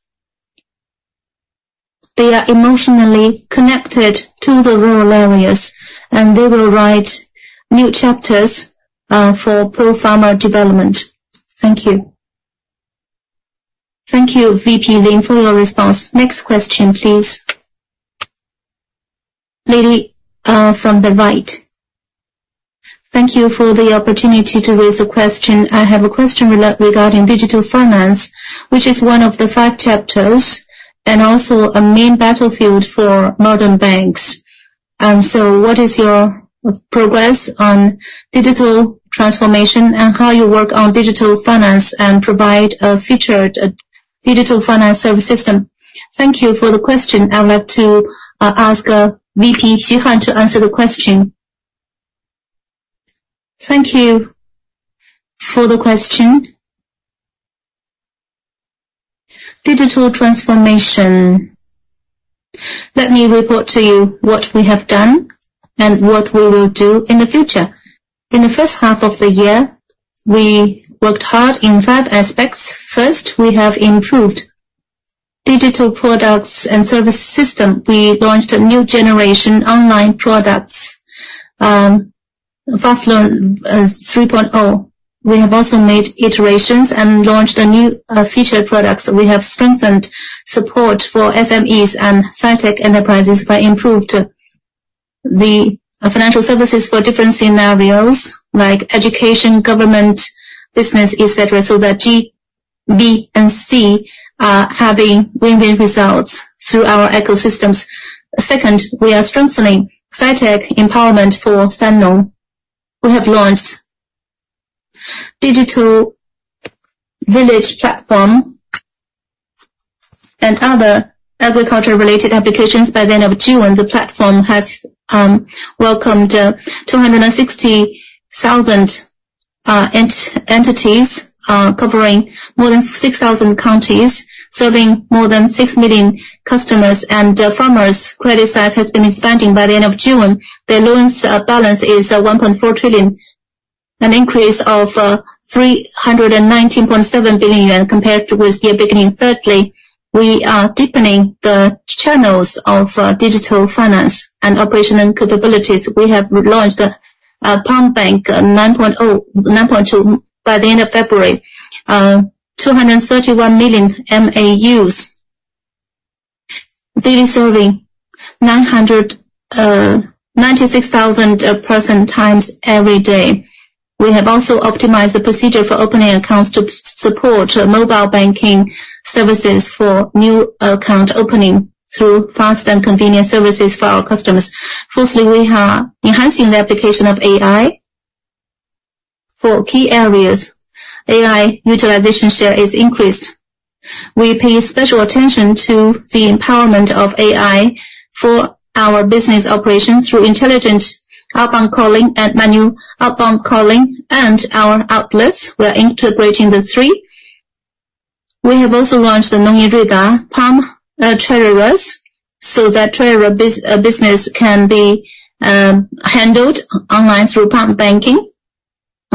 They are emotionally connected to the rural areas, and they will write new chapters for poor farmer development. Thank you. Thank you, VP Lin, for your response. Next question, please. Lady from the right. Thank you for the opportunity to raise a question. I have a question regarding digital finance, which is one of the five chapters and also a main battlefield for modern banks. So what is your progress on digital transformation, and how you work on digital finance and provide a featured digital finance service system? Thank you for the question. I'd like to ask VP Xu Han to answer the question. Thank you for the question. Digital transformation. Let me report to you what we have done and what we will do in the future. In the first half of the year, we worked hard in five aspects. First, we have improved digital products and service system. We launched a new generation online products, Fastrak 3.0. We have also made iterations and launched a new featured products. We have strengthened support for SMEs and sci-tech enterprises by improved the financial services for different scenarios, like education, government, business, et cetera, so that G, B, and C are having win-win results through our ecosystems. Second, we are strengthening sci-tech empowerment for Sanong. We have launched Digital Village Platform and other agriculture-related applications. By the end of June, the platform has welcomed 260,000 entities, covering more than 6,000 counties, serving more than 6 million customers. And farmers' credit size has been expanding. By the end of June, the loans balance is 1.4 trillion, an increase of 319.7 billion yuan compared with year beginning. Thirdly, we are deepening the channels of digital finance and operational capabilities. We have launched Palm Banking 9.2 by the end of February. 231 million MAUs. Daily serving 996,000 person times every day. We have also optimized the procedure for opening accounts to support mobile banking services for new account opening through fast and convenient services for our customers. Firstly, we are enhancing the application of AI for key areas. AI utilization share is increased. We pay special attention to the empowerment of AI for our business operations through intelligent outbound calling and manual outbound calling and our outlets. We are integrating the three. We have also launched the Nongyin e-Guanjia for travelers, so that travelers' business can be handled online through Palm Banking.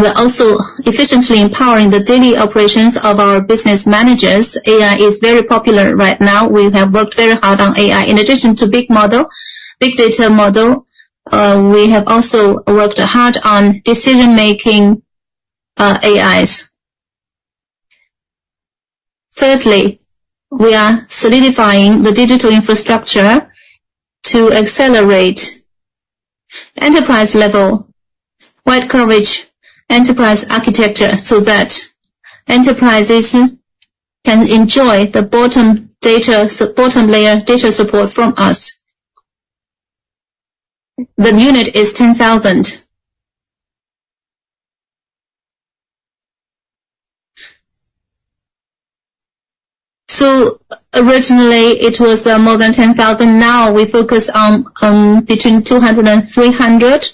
We're also efficiently empowering the daily operations of our business managers. AI is very popular right now. We have worked very hard on AI. In addition to big model, big data model, we have also worked hard on decision-making AIs. Thirdly, we are solidifying the digital infrastructure to accelerate enterprise level, wide coverage, enterprise architecture, so that enterprises can enjoy the bottom data, bottom layer data support from us. The unit is 10,000. So originally, it was more than 10,000. Now, we focus on between 200 and 300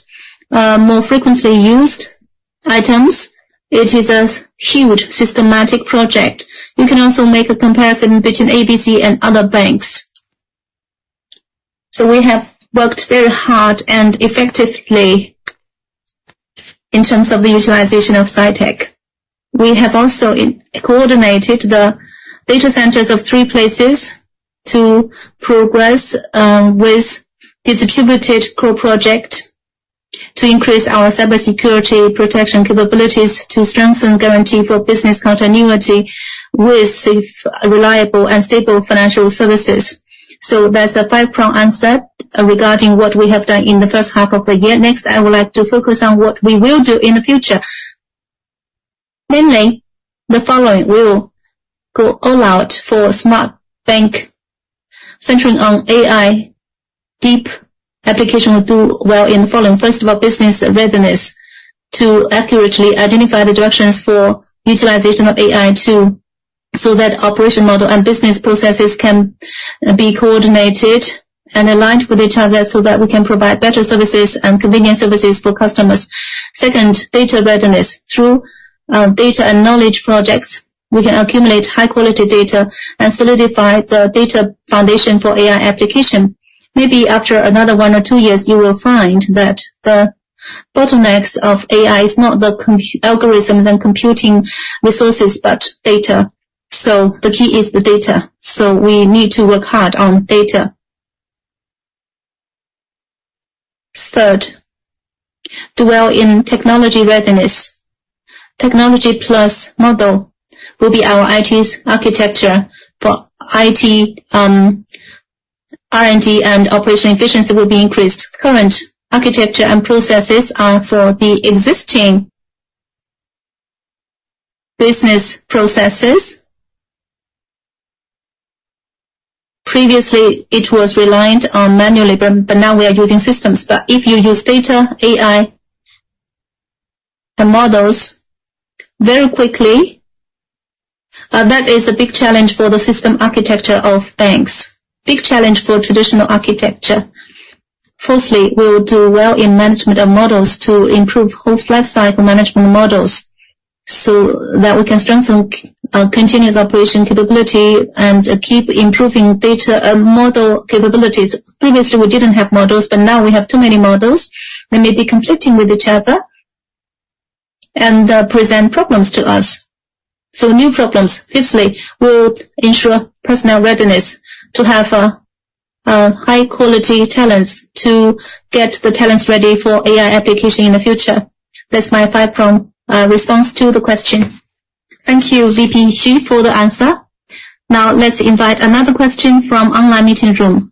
more frequently used items. It is a huge systematic project. You can also make a comparison between ABC and other banks. So we have worked very hard and effectively in terms of the utilization of SciTech. We have also integrated the data centers of three places to progress with the distributed core project to increase our cybersecurity protection capabilities to strengthen guarantee for business continuity with safe, reliable, and stable financial services. So that's a five-pronged answer regarding what we have done in the first half of the year. Next, I would like to focus on what we will do in the future. Mainly, the following: We will go all out for smart bank, centering on AI. Deep application will do well in the following. First of all, business readiness to accurately identify the directions for utilization of AI tool, so that operation model and business processes can be coordinated and aligned with each other, so that we can provide better services and convenient services for customers. Second, data readiness. Through data and knowledge projects, we can accumulate high-quality data and solidify the data foundation for AI application. Maybe after another one or two years, you will find that the bottlenecks of AI is not the computing algorithms and computing resources, but data. So the key is the data, so we need to work hard on data. Third, do well in technology readiness. Technology+ model will be our IT's architecture for IT. R&D and operational efficiency will be increased. Current architecture and processes are for the existing business processes. Previously, it was reliant on manual labor, but now we are using systems. But if you use data, AI, the models, very quickly, that is a big challenge for the system architecture of banks. Big challenge for traditional architecture. Firstly, we will do well in management of models to improve whole lifecycle management models, so that we can strengthen our continuous operation capability and keep improving data model capabilities. Previously, we didn't have models, but now we have too many models. They may be conflicting with each other and present problems to us. So new problems. Fifthly, we'll ensure personal readiness to have high-quality talents to get the talents ready for AI application in the future. That's my five-prong response to the question. Thank you, VP Xu, for the answer. Now, let's invite another question from online meeting room.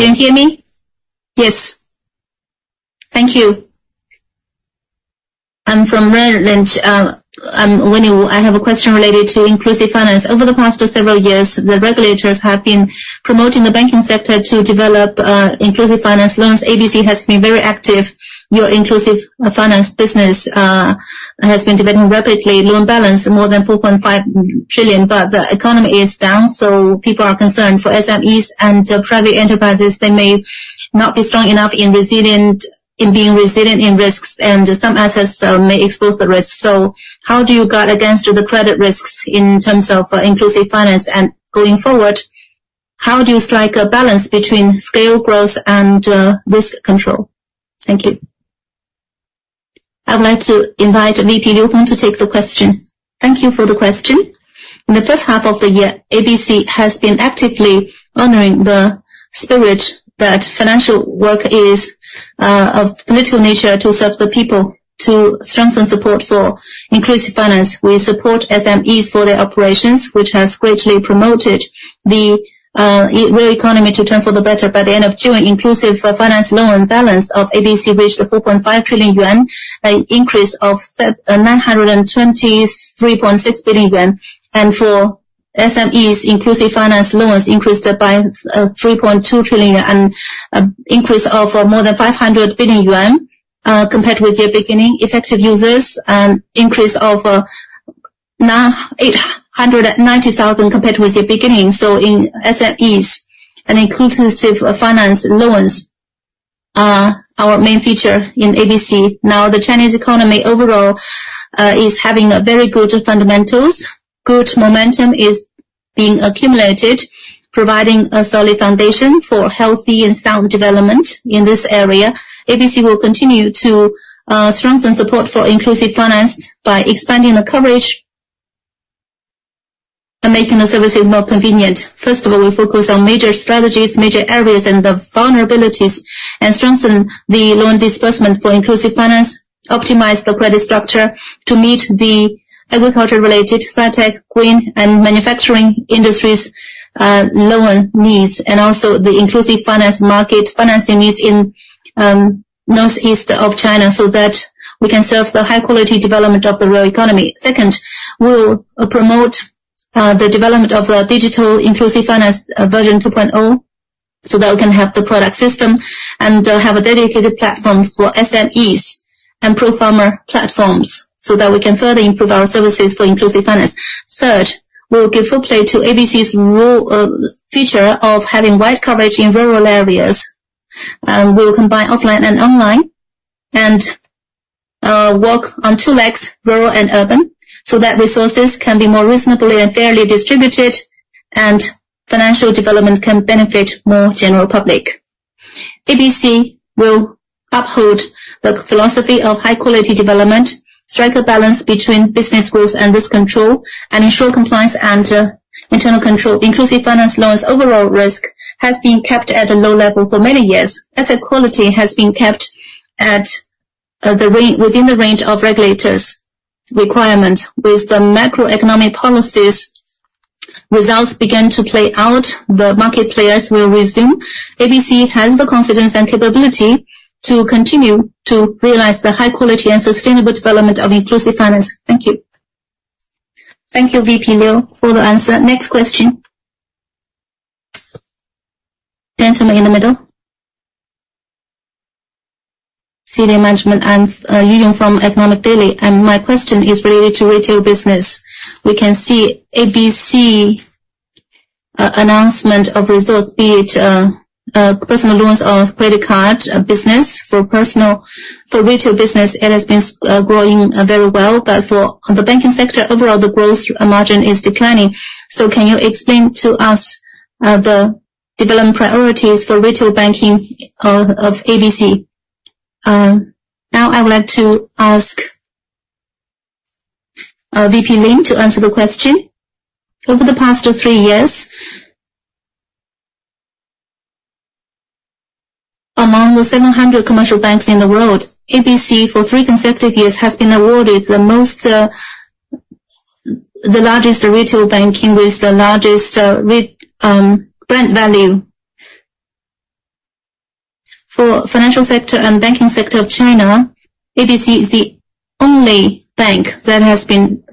Can you hear me? Yes. Thank you. I'm from Bank of America Securities. I'm Winnie. I have a question related to inclusive finance. Over the past several years, the regulators have been promoting the banking sector to develop inclusive finance loans. ABC has been very active. Your inclusive finance business has been developing rapidly, loan balance more than 4.5 trillion. But the economy is down, so people are concerned for SMEs and private enterprises, they may not be strong enough in resilience, in being resilient in risks, and some assets may expose the risk. So how do you guard against the credit risks in terms of inclusive finance? And going forward, how do you strike a balance between scale growth and risk control? Thank you. I would like to invite VP Liu Hong to take the question. Thank you for the question. In the first half of the year, ABC has been actively honoring the spirit that financial work is of political nature to serve the people. To strengthen support for inclusive finance, we support SMEs for their operations, which has greatly promoted the real economy to turn for the better. By the end of June, inclusive finance loan balance of ABC reached 4.5 trillion yuan, an increase of 923.6 billion yuan. And for SMEs, inclusive finance loans increased by 3.2 trillion yuan, an increase of more than 500 billion yuan compared with the beginning. Effective users, an increase of 890,000 compared with the beginning. So in SMEs and inclusive finance loans are our main feature in ABC. Now, the Chinese economy overall is having a very good fundamentals. Good momentum is being accumulated, providing a solid foundation for healthy and sound development in this area. ABC will continue to strengthen support for inclusive finance by expanding the coverage and making the services more convenient. First of all, we focus on major strategies, major areas, and the vulnerabilities, and strengthen the loan disbursements for inclusive finance, optimize the credit structure to meet the agriculture-related, sci-tech, green, and manufacturing industries', loan needs, and also the inclusive finance market financing needs in northeast of China, so that we can serve the high-quality development of the real economy. Second, we'll promote the development of the digital inclusive finance Version 2.0 oh, so that we can have the product system and have a dedicated platforms for SMEs and pro-farmer platforms, so that we can further improve our services for inclusive finance. Third, we will give full play to ABC's feature of having wide coverage in rural areas. We will combine offline and online, and work on two legs, rural and urban, so that resources can be more reasonably and fairly distributed, and financial development can benefit more general public. ABC will uphold the philosophy of high-quality development, strike a balance between business growth and risk control, and ensure compliance and internal control. Inclusive finance loans overall risk has been kept at a low level for many years. Asset quality has been kept within the range of regulators' requirement. With the macroeconomic policies, results begin to play out, the market players will resume. ABC has the confidence and capability to continue to realize the high quality and sustainable development of inclusive finance. Thank you. Thank you, VP Liu, for the answer. Next question? Gentleman in the middle. Chen from Economic Daily, and my question is related to retail business. We can see ABC announcement of results, be it personal loans or credit card business. For retail business, it has been growing very well, but for the banking sector, overall, the growth margin is declining. So can you explain to us the development priorities for retail banking of ABC? Now I would like to ask VP Lin to answer the question. Over the past three years, among the 700 commercial banks in the world, ABC, for three consecutive years, has been awarded the most, the largest retail banking with the largest brand value. For financial sector and banking sector of China, ABC is the only bank that has been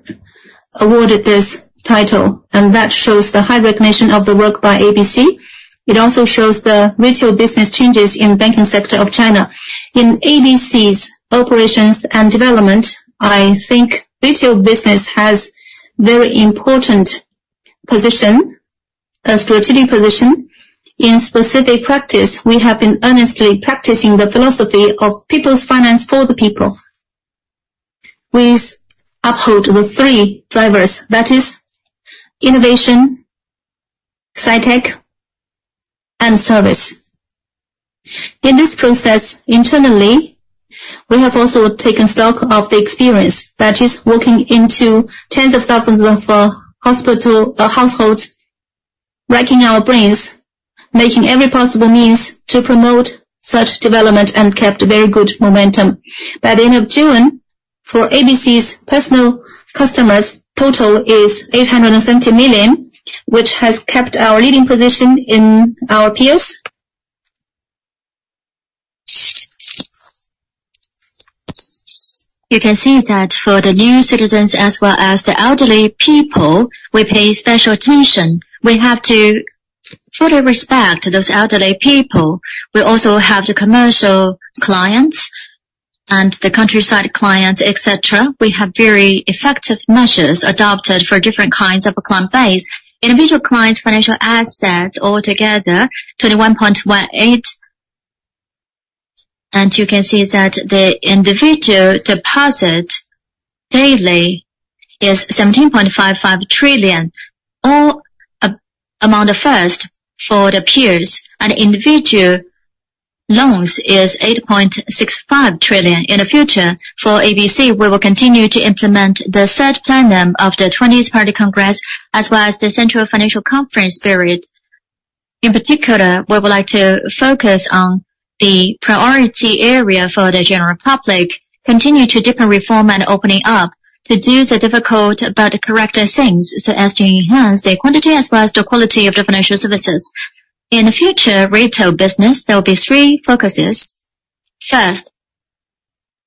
awarded this title, and that shows the high recognition of the work by ABC. It also shows the retail business changes in banking sector of China. In ABC's operations and development, I think retail business has very important position, a strategic position. In specific practice, we have been earnestly practicing the philosophy of people's finance for the people. We uphold the three drivers, that is, innovation, sci-tech, and service. In this process, internally, we have also taken stock of the experience, that is, walking into tens of thousands of rural households, racking our brains, making every possible means to promote such development and kept very good momentum. By the end of June, for ABC's personal customers, total is 870 million, which has kept our leading position in our peers. You can see that for the new citizens as well as the elderly people, we pay special attention. We have to fully respect those elderly people. We also have the commercial clients.... and the countryside clients, et cetera. We have very effective measures adopted for different kinds of client base. Individual clients' financial assets altogether, 21.18 trillion. And you can see that the individual deposit daily is 17.55 trillion, all among the first for the peers, and individual loans is 8.65 trillion. In the future, for ABC, we will continue to implement the third plenum of the twentieth Party Congress, as well as the Central Financial Conference period. In particular, we would like to focus on the priority area for the general public, continue to deepen reform and opening up, to do the difficult but correct things, so as to enhance the quantity as well as the quality of the financial services. In the future retail business, there will be three focuses. First,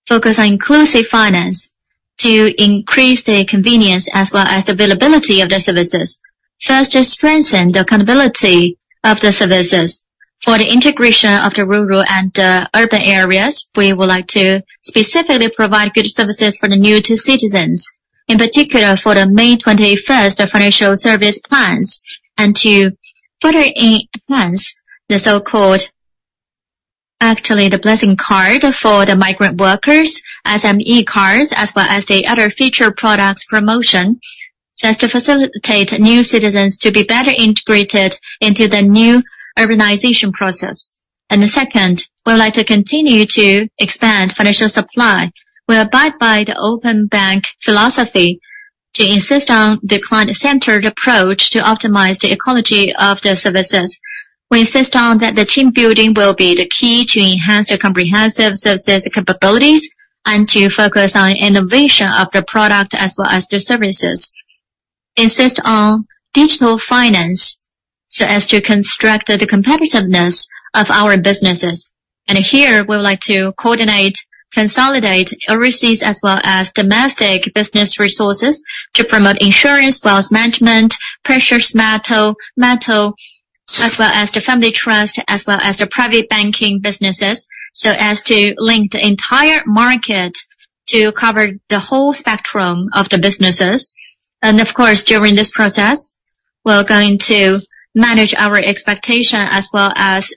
focus on inclusive finance to increase the convenience as well as the availability of the services. First, to strengthen the accountability of the services. For the integration of the rural and urban areas, we would like to specifically provide good services for the new citizens. In particular, for the May 21st financial service plans, and to further enhance the so-called, actually, the blessing card for the migrant workers, SME cards, as well as the other future products promotion, so as to facilitate new citizens to be better integrated into the new urbanization process. The second, we would like to continue to expand financial supply. We abide by the open bank philosophy to insist on the client-centered approach to optimize the ecology of the services. We insist on that the team building will be the key to enhance the comprehensive services capabilities and to focus on innovation of the product as well as the services. Insist on digital finance, so as to construct the competitiveness of our businesses. And here, we would like to coordinate, consolidate overseas as well as domestic business resources to promote insurance, wealth management, precious metal, metal, as well as the family trust, as well as the private banking businesses, so as to link the entire market to cover the whole spectrum of the businesses. And of course, during this process, we're going to manage our expectation as well as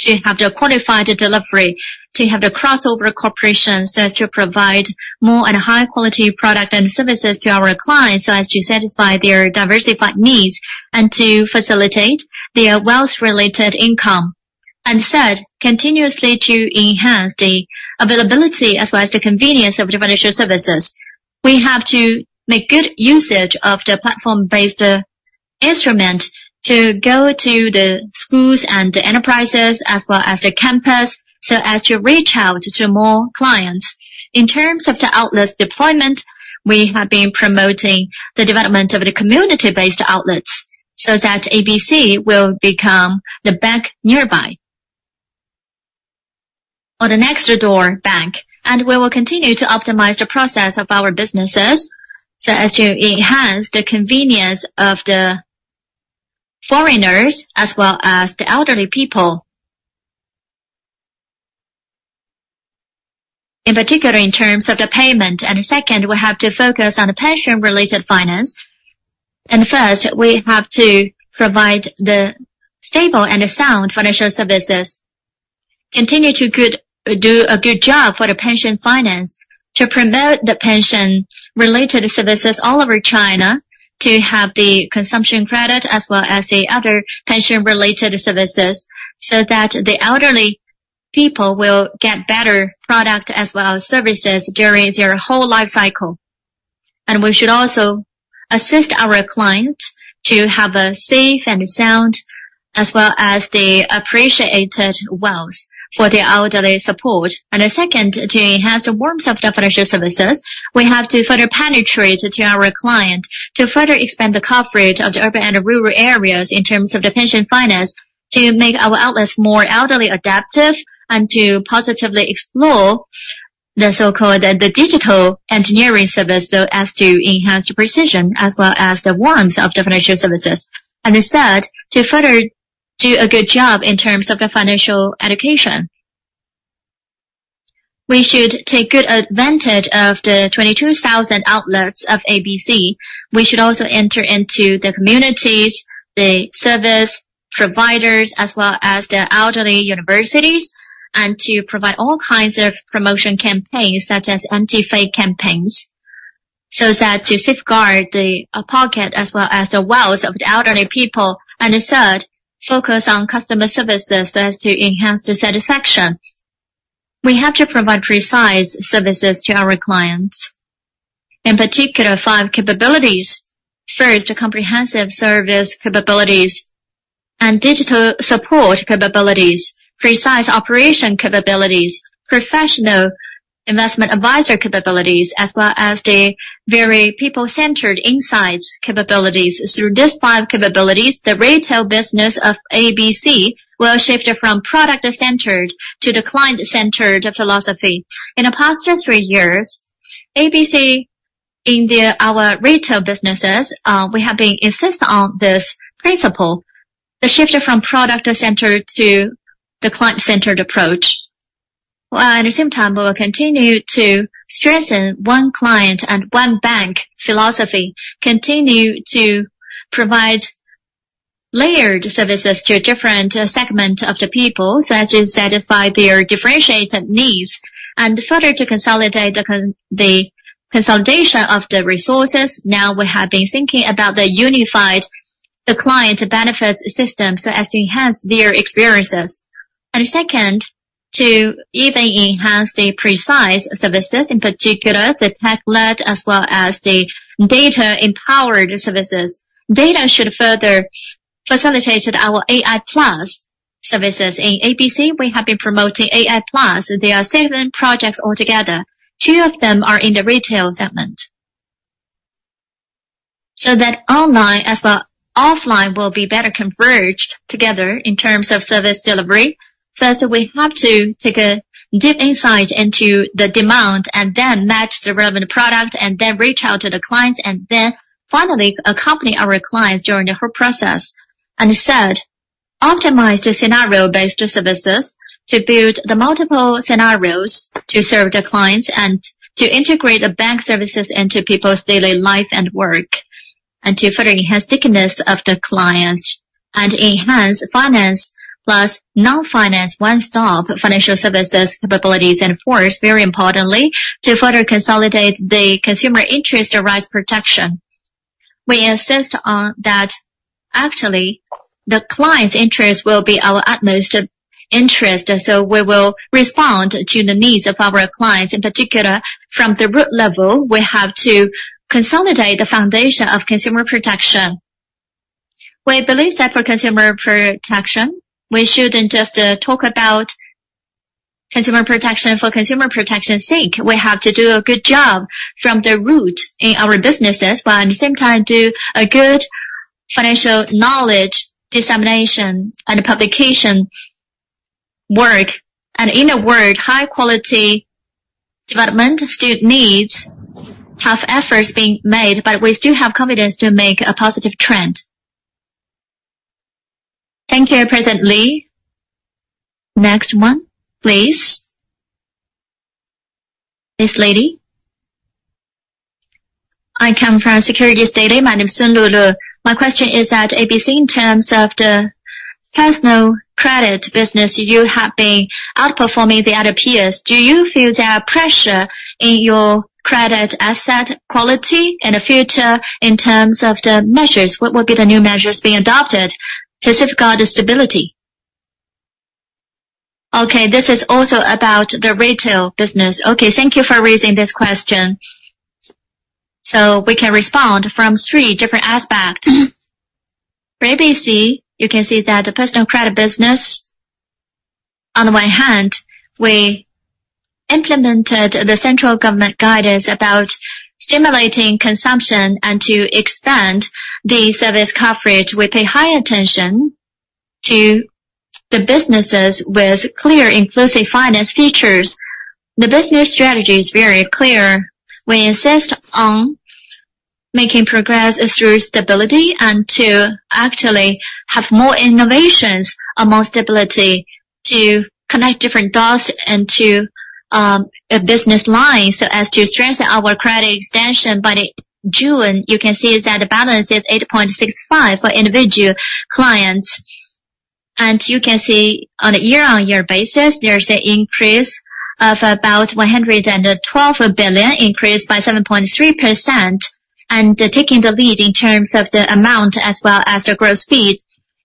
to have the qualified delivery, to have the crossover cooperation, so as to provide more and high quality product and services to our clients, so as to satisfy their diversified needs and to facilitate their wealth-related income. Third, continuously to enhance the availability as well as the convenience of the financial services. We have to make good usage of the platform-based instrument to go to the schools and the enterprises, as well as the campus, so as to reach out to more clients. In terms of the outlets deployment, we have been promoting the development of the community-based outlets, so that ABC will become the bank nearby or the next door bank. We will continue to optimize the process of our businesses, so as to enhance the convenience of the foreigners as well as the elderly people, in particular, in terms of the payment. Second, we have to focus on the pension-related finance. And first, we have to provide the stable and sound financial services, continue to do a good job for the pension finance, to promote the pension-related services all over China, to have the consumption credit as well as the other pension-related services, so that the elderly people will get better product as well as services during their whole life cycle. And we should also assist our clients to have a safe and sound, as well as the appreciated wealth for the elderly support. And the second, to enhance the warmth of the financial services, we have to further penetrate to our client, to further expand the coverage of the urban and rural areas in terms of the pension finance, to make our outlets more elderly adaptive, and to positively explore the so-called digital engineering service, so as to enhance the precision as well as the warmth of the financial services. And third, to further do a good job in terms of the financial education. We should take good advantage of the 22,000 outlets of ABC. We should also enter into the communities, the service providers, as well as the elderly universities, and to provide all kinds of promotion campaigns, such as anti-fake campaigns, so as to safeguard the pocket as well as the wealth of the elderly people. And third, focus on customer services, so as to enhance the satisfaction. We have to provide precise services to our clients. In particular, five capabilities. First, comprehensive service capabilities and digital support capabilities, precise operation capabilities, professional investment advisor capabilities, as well as the very people-centered insights capabilities. Through these five capabilities, the retail business of ABC will shift from product-centered to the client-centered philosophy. In the past three years, ABC, in our retail businesses, we have been insist on this principle. The shift from product-centered to the client-centered approach. While at the same time, we will continue to strengthen one client and one bank philosophy, continue to provide layered services to a different segment of the people so as to satisfy their differentiated needs, and further to consolidate the consolidation of the resources. Now, we have been thinking about the unified client benefits system so as to enhance their experiences. And second, to even enhance the precise services, in particular, the tech-led, as well as the data-empowered services. Data should further facilitate our AI+ services. In ABC, we have been promoting AI+. There are seven projects altogether. Two of them are in the retail segment. So then online as well offline will be better converged together in terms of service delivery. First, we have to take a deep insight into the demand and then match the relevant product, and then reach out to the clients, and then finally accompany our clients during the whole process. And third, optimize the scenario-based services to build the multiple scenarios to serve the clients and to integrate the bank services into people's daily life and work, and to further enhance stickiness of the clients and enhance finance, plus non-finance, one-stop financial services capabilities and force, very importantly, to further consolidate the consumer interest rights protection. We insist on that. Actually, the client's interest will be our utmost interest, so we will respond to the needs of our clients. In particular, from the root level, we have to consolidate the foundation of consumer protection. We believe that for consumer protection, we shouldn't just, talk about consumer protection for consumer protection's sake. We have to do a good job from the root in our businesses, but at the same time, do a good financial knowledge, dissemination, and publication work. And in a word, high quality development still needs have efforts being made, but we still have confidence to make a positive trend. Thank you, President Lin. Next one, please. This lady. I come from Securities Daily. My name is Sun Lulu. My question is that ABC, in terms of the personal credit business, you have been outperforming the other peers. Do you feel there are pressure in your credit asset quality in the future in terms of the measures? What will be the new measures being adopted to safeguard the stability? Okay, this is also about the retail business. Okay, thank you for raising this question. So we can respond from three different aspects. For ABC, you can see that the personal credit business, on the one hand, we implemented the central government guidance about stimulating consumption and to expand the service coverage. We pay high attention to the businesses with clear inclusive finance features. The business strategy is very clear. We insist on making progress is through stability and to actually have more innovations among stability to connect different dots into a business line, so as to strengthen our credit extension. By the June, you can see that the balance is 8.65 for individual clients. You can see on a year-on-year basis, there's an increase of about 112 billion, increased by 7.3%, and taking the lead in terms of the amount as well as the growth speed.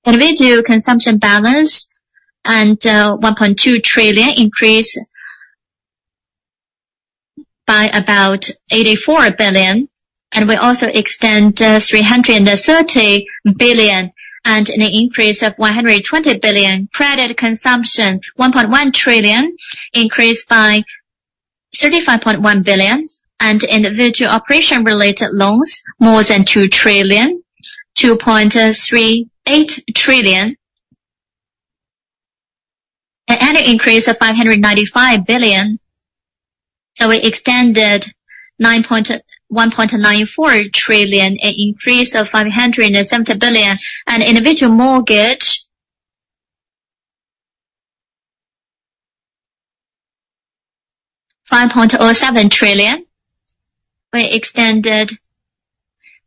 Individual consumption balance and 1.2 trillion increase by about 84 billion, and we also extend 330 billion and an increase of 120 billion. Credit consumption, 1.1 trillion, increased by 35.1 billion. Individual operation-related loans, more than 2 trillion, 2.38 trillion, an annual increase of 595 billion. We extended 1.94 trillion, an increase of 570 billion. Individual mortgage, 5.07 trillion. We extended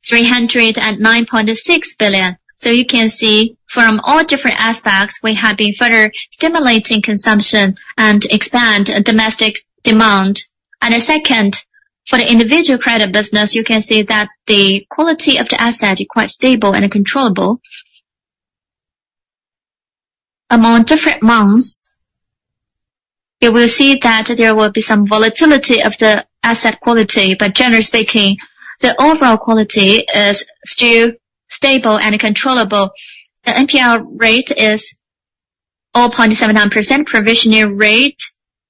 309.6 billion. You can see from all different aspects, we have been further stimulating consumption and expand domestic demand. For the individual credit business, you can see that the quality of the asset is quite stable and controllable. Among different months, you will see that there will be some volatility of the asset quality, but generally speaking, the overall quality is still stable and controllable. The NPL rate is 0.79%. Provisioning rate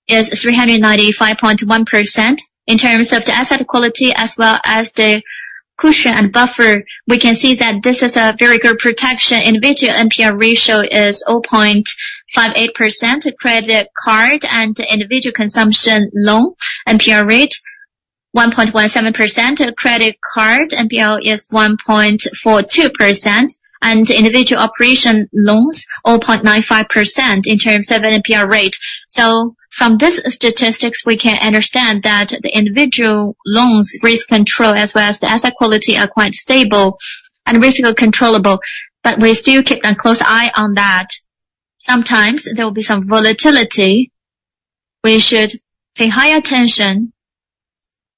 is 395.1%. In terms of the asset quality as well as the cushion and buffer, we can see that this is a very good protection. Individual NPL ratio is 0.58%. Credit card and individual consumption loan NPL rate one point one seven percent of credit card, NPL is 1.42%, and individual operation loans, 0.95% in terms of NPL rate. So from these statistics, we can understand that the individual loans risk control, as well as the asset quality, are quite stable and basically controllable. But we still keep a close eye on that. Sometimes there will be some volatility. We should pay higher attention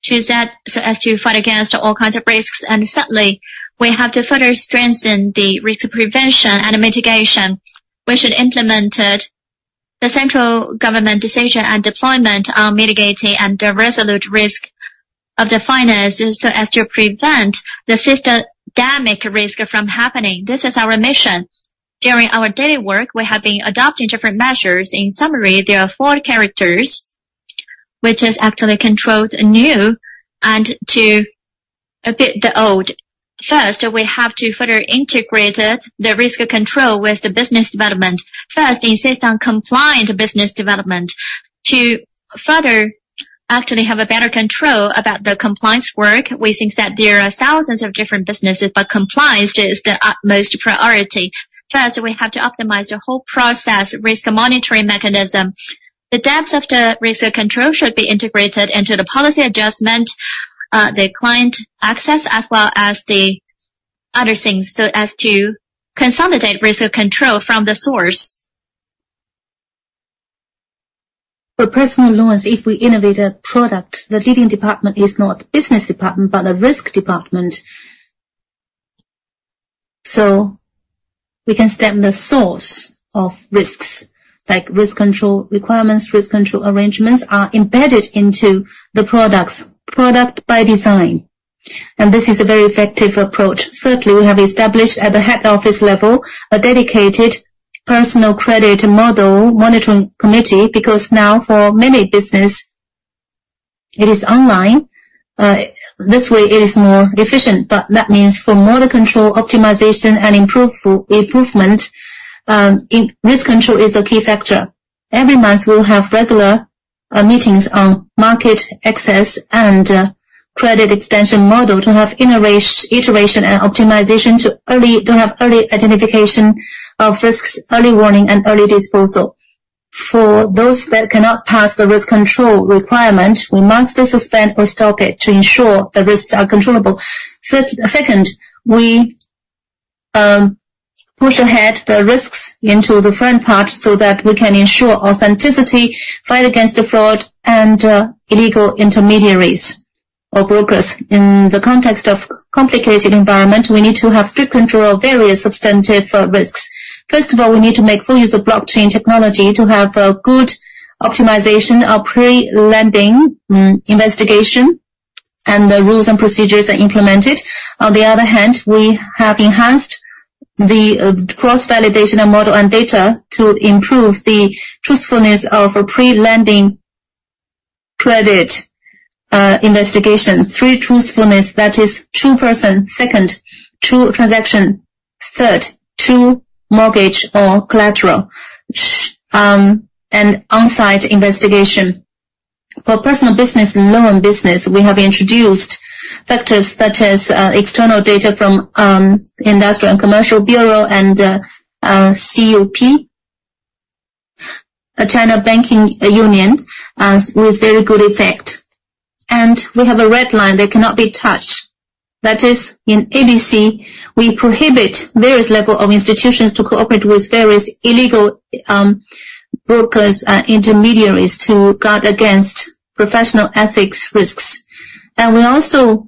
to that so as to fight against all kinds of risks, and certainly, we have to further strengthen the risk prevention and mitigation. We should implement it. The central government decision and deployment are mitigating and the resolute risk of the finance, so as to prevent the systemic risk from happening. This is our mission. During our daily work, we have been adopting different measures. In summary, there are four characters, which is actually controlled new and to a bit the old. First, we have to further integrate it, the risk control, with the business development. First, insist on compliant business development to further actually have a better control about the compliance work. We think that there are thousands of different businesses, but compliance is the utmost priority. First, we have to optimize the whole process, risk monitoring mechanism. The depths of the risk control should be integrated into the policy adjustment, the client access, as well as the other things, so as to consolidate risk control from the source. For personal loans, if we innovate a product, the leading department is not business department, but the risk department. So we can stem the source of risks, like risk control requirements, risk control arrangements are embedded into the products, product by design, and this is a very effective approach. Thirdly, we have established at the head office level, a dedicated personal credit model monitoring committee, because now for many business, it is online. This way it is more efficient, but that means for model control, optimization and improvement, in risk control is a key factor. Every month, we'll have regular meetings on market access and credit extension model to have iteration and optimization to have early identification of risks, early warning, and early disposal. For those that cannot pass the risk control requirement, we must suspend or stop it to ensure the risks are controllable. Second, we push ahead the risks into the front part so that we can ensure authenticity, fight against the fraud, and illegal intermediaries or brokers. In the context of complicated environment, we need to have strict control of various substantive risks. First of all, we need to make full use of blockchain technology to have a good optimization of pre-lending investigation, and the rules and procedures are implemented. On the other hand, we have enhanced the cross-validation of model and data to improve the truthfulness of a pre-lending credit investigation. Three truthfulness, that is true person. Second, true transaction. Third, true mortgage or collateral, and on-site investigation. For personal business and loan business, we have introduced factors such as external data from Industrial and Commercial Bureau and Uncertain China UnionPay, with very good effect. And we have a red line that cannot be touched. That is, in ABC, we prohibit various level of institutions to cooperate with various illegal brokers and intermediaries to guard against professional ethics risks. And we also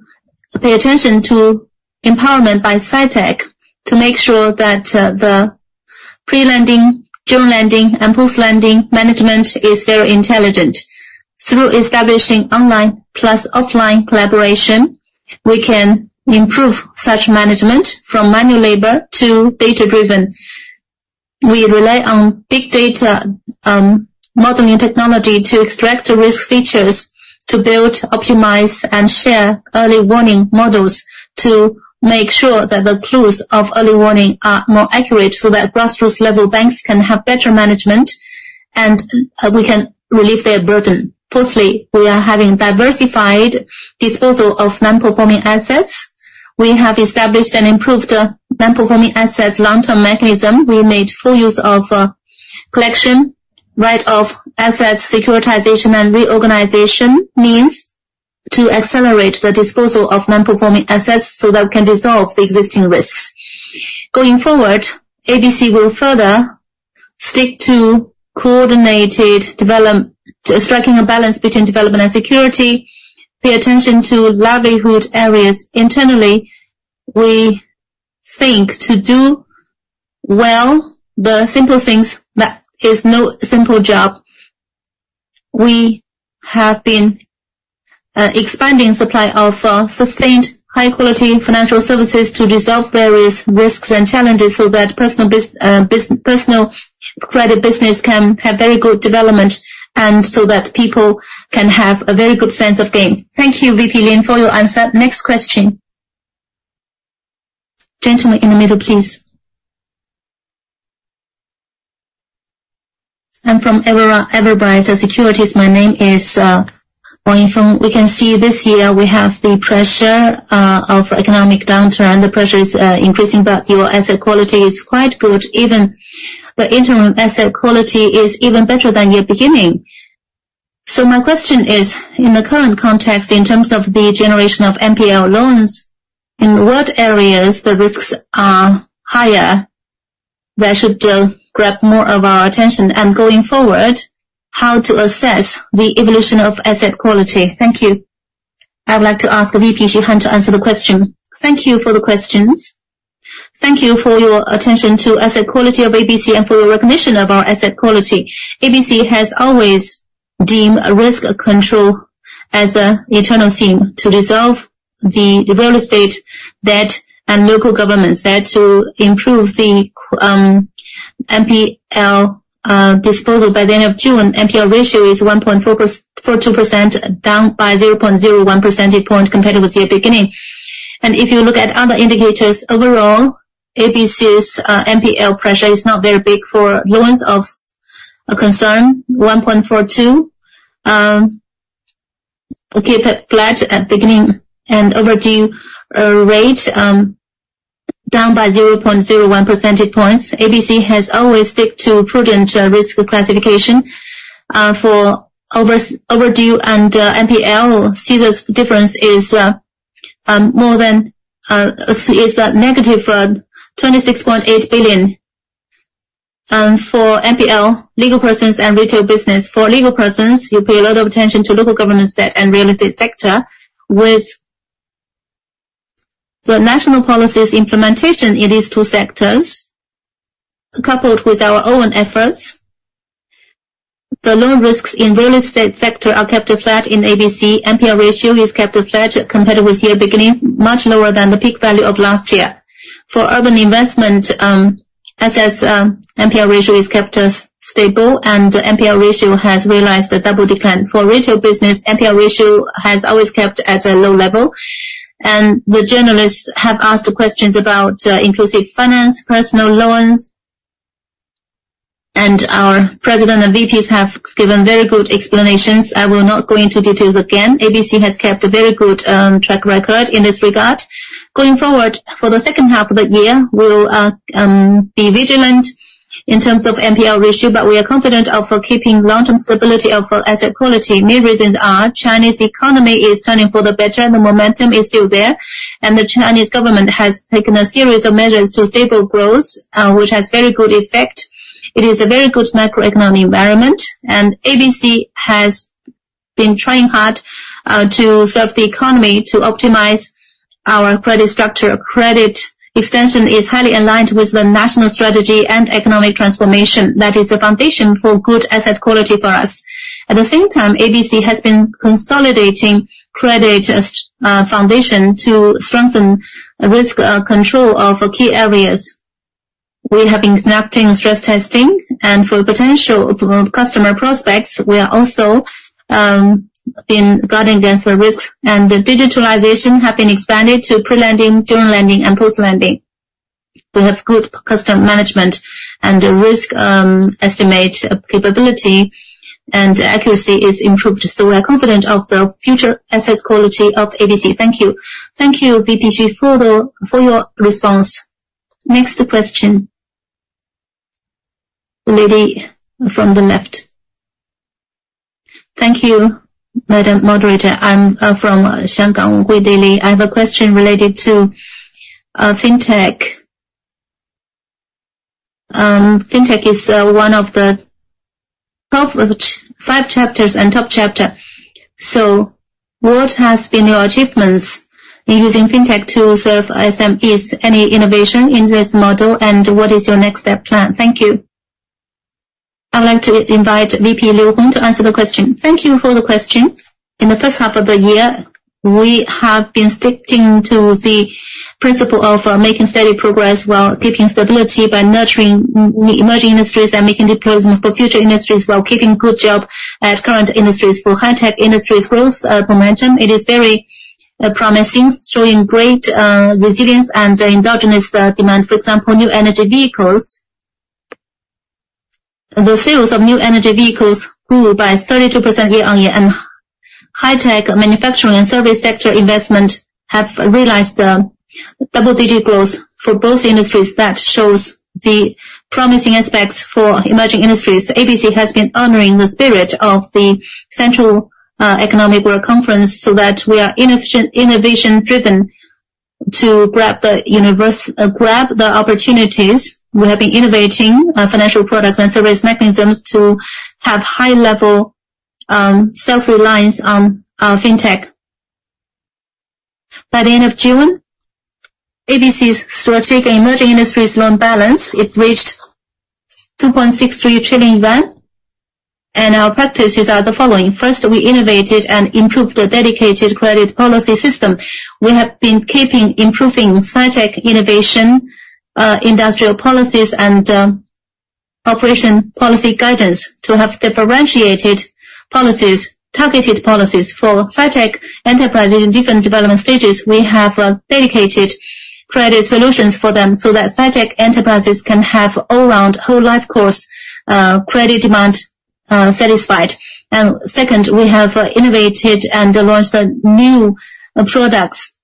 pay attention to empowerment by SciTech, to make sure that the pre-lending, during lending and post-lending management is very intelligent. Through establishing online plus offline collaboration, we can improve such management from manual labor to data-driven. We rely on big data, modeling technology to extract risk features, to build, optimize, and share early warning models to make sure that the clues of early warning are more accurate, so that grassroots level banks can have better management, and we can relieve their burden. Firstly, we are having diversified disposal of non-performing assets. We have established and improved, non-performing assets long-term mechanism. We made full use of, collection, write-off assets, securitization, and reorganization means to accelerate the disposal of non-performing assets so that we can dissolve the existing risks. Going forward, ABC will further stick to coordinated develop-- striking a balance between development and security, pay attention to livelihood areas. Internally, we think to do well, the simple things, that is no simple job. We have been expanding supply of sustained high quality financial services to resolve various risks and challenges so that personal credit business can have very good development, and so that people can have a very good sense of gain. Thank you, VP Lin, for your answer. Next question. Gentleman in the middle, please. I'm from Everbright Securities. My name is Wang Feng. We can see this year we have the pressure of economic downturn, and the pressure is increasing, but your asset quality is quite good. Even the interim asset quality is even better than your beginning. So my question is, in the current context, in terms of the generation of NPL loans, in what areas the risks are higher, that should still grab more of our attention? And going forward, how to assess the evolution of asset quality? Thank you. I would like to ask VP Xu Han to answer the question. Thank you for the questions. Thank you for your attention to asset quality of ABC and for your recognition of our asset quality. ABC has always deemed risk control as an eternal theme, to resolve the real estate debt and local government's debt to improve the NPL disposal. By the end of June, NPL ratio is 1.42%, down by 0.01 percentage point compared with the beginning. If you look at other indicators, overall, ABC's NPL pressure is not very big for loans of concern, 1.42. We keep it flat at beginning, and overdue rate down by 0.01 percentage points. ABC has always stick to prudent risk classification for overdue and NPL. See, the difference is more than is negative 26.8 billion for NPL, legal persons and retail business. For legal persons, you pay a lot of attention to local government debt and real estate sector. With the national policies implementation in these two sectors, coupled with our own efforts, the loan risks in real estate sector are kept flat in ABC. NPL ratio is kept flat compared with year beginning, much lower than the peak value of last year. For urban investment assets, NPL ratio is kept stable, and NPL ratio has realized a double decline. For retail business, NPL ratio has always kept at a low level. And the journalists have asked questions about inclusive finance, personal loans, and our president and VPs have given very good explanations. I will not go into details again. ABC has kept a very good track record in this regard. Going forward, for the second half of the year, we will be vigilant in terms of NPL ratio, but we are confident of keeping long-term stability of our asset quality. Main reasons are: Chinese economy is turning for the better, and the momentum is still there, and the Chinese government has taken a series of measures to stable growth, which has very good effect. It is a very good macroeconomic environment, and ABC has been trying hard to serve the economy, to optimize our credit structure. Credit extension is highly aligned with the national strategy and economic transformation. That is a foundation for good asset quality for us. At the same time, ABC has been consolidating credit as foundation to strengthen risk control of key areas. We have been conducting stress testing, and for potential customer prospects, we are also been guarding against the risks. The digitalization have been expanded to pre-lending, during lending, and post-lending. We have good customer management, and the risk estimate capability and accuracy is improved. So we are confident of the future asset quality of ABC. Thank you. Thank you, VP Xu, for your response. Next question. Lady from the left. Thank you, madam moderator. I'm from Shanghai Daily. I have a question related to Fintech. Fintech is one of the top five chapters and top chapter. So what has been your achievements in using Fintech to serve SMEs? Any innovation in this model, and what is your next step plan? Thank you. I would like to invite VP Liu Hong to answer the question. Thank you for the question. In the first half of the year, we have been sticking to the principle of making steady progress while keeping stability by nurturing emerging industries and making deployment for future industries, while keeping good job at current industries. For high-tech industries growth momentum, it is very promising, showing great resilience and endogenous demand. For example, new energy vehicles. The sales of new energy vehicles grew by 32% year on year, and high-tech manufacturing and service sector investment have realized double-digit growth for both industries. That shows the promising aspects for emerging industries. ABC has been honoring the spirit of the central economic work conference so that we are innovation-driven to grab the opportunities. We have been innovating financial products and service mechanisms to have high-level self-reliance on Fintech. By the end of June, ABC's strategic emerging industries loan balance, it reached 2.63 trillion yuan, and our practices are the following: First, we innovated and improved the dedicated credit policy system. We have been keeping improving sci-tech innovation industrial policies and operational policy guidance to have differentiated policies, targeted policies. For sci-tech enterprises in different development stages, we have dedicated credit solutions for them, so that sci-tech enterprises can have all-around whole life-cycle credit demand satisfied. Second, we have innovated and launched the new products.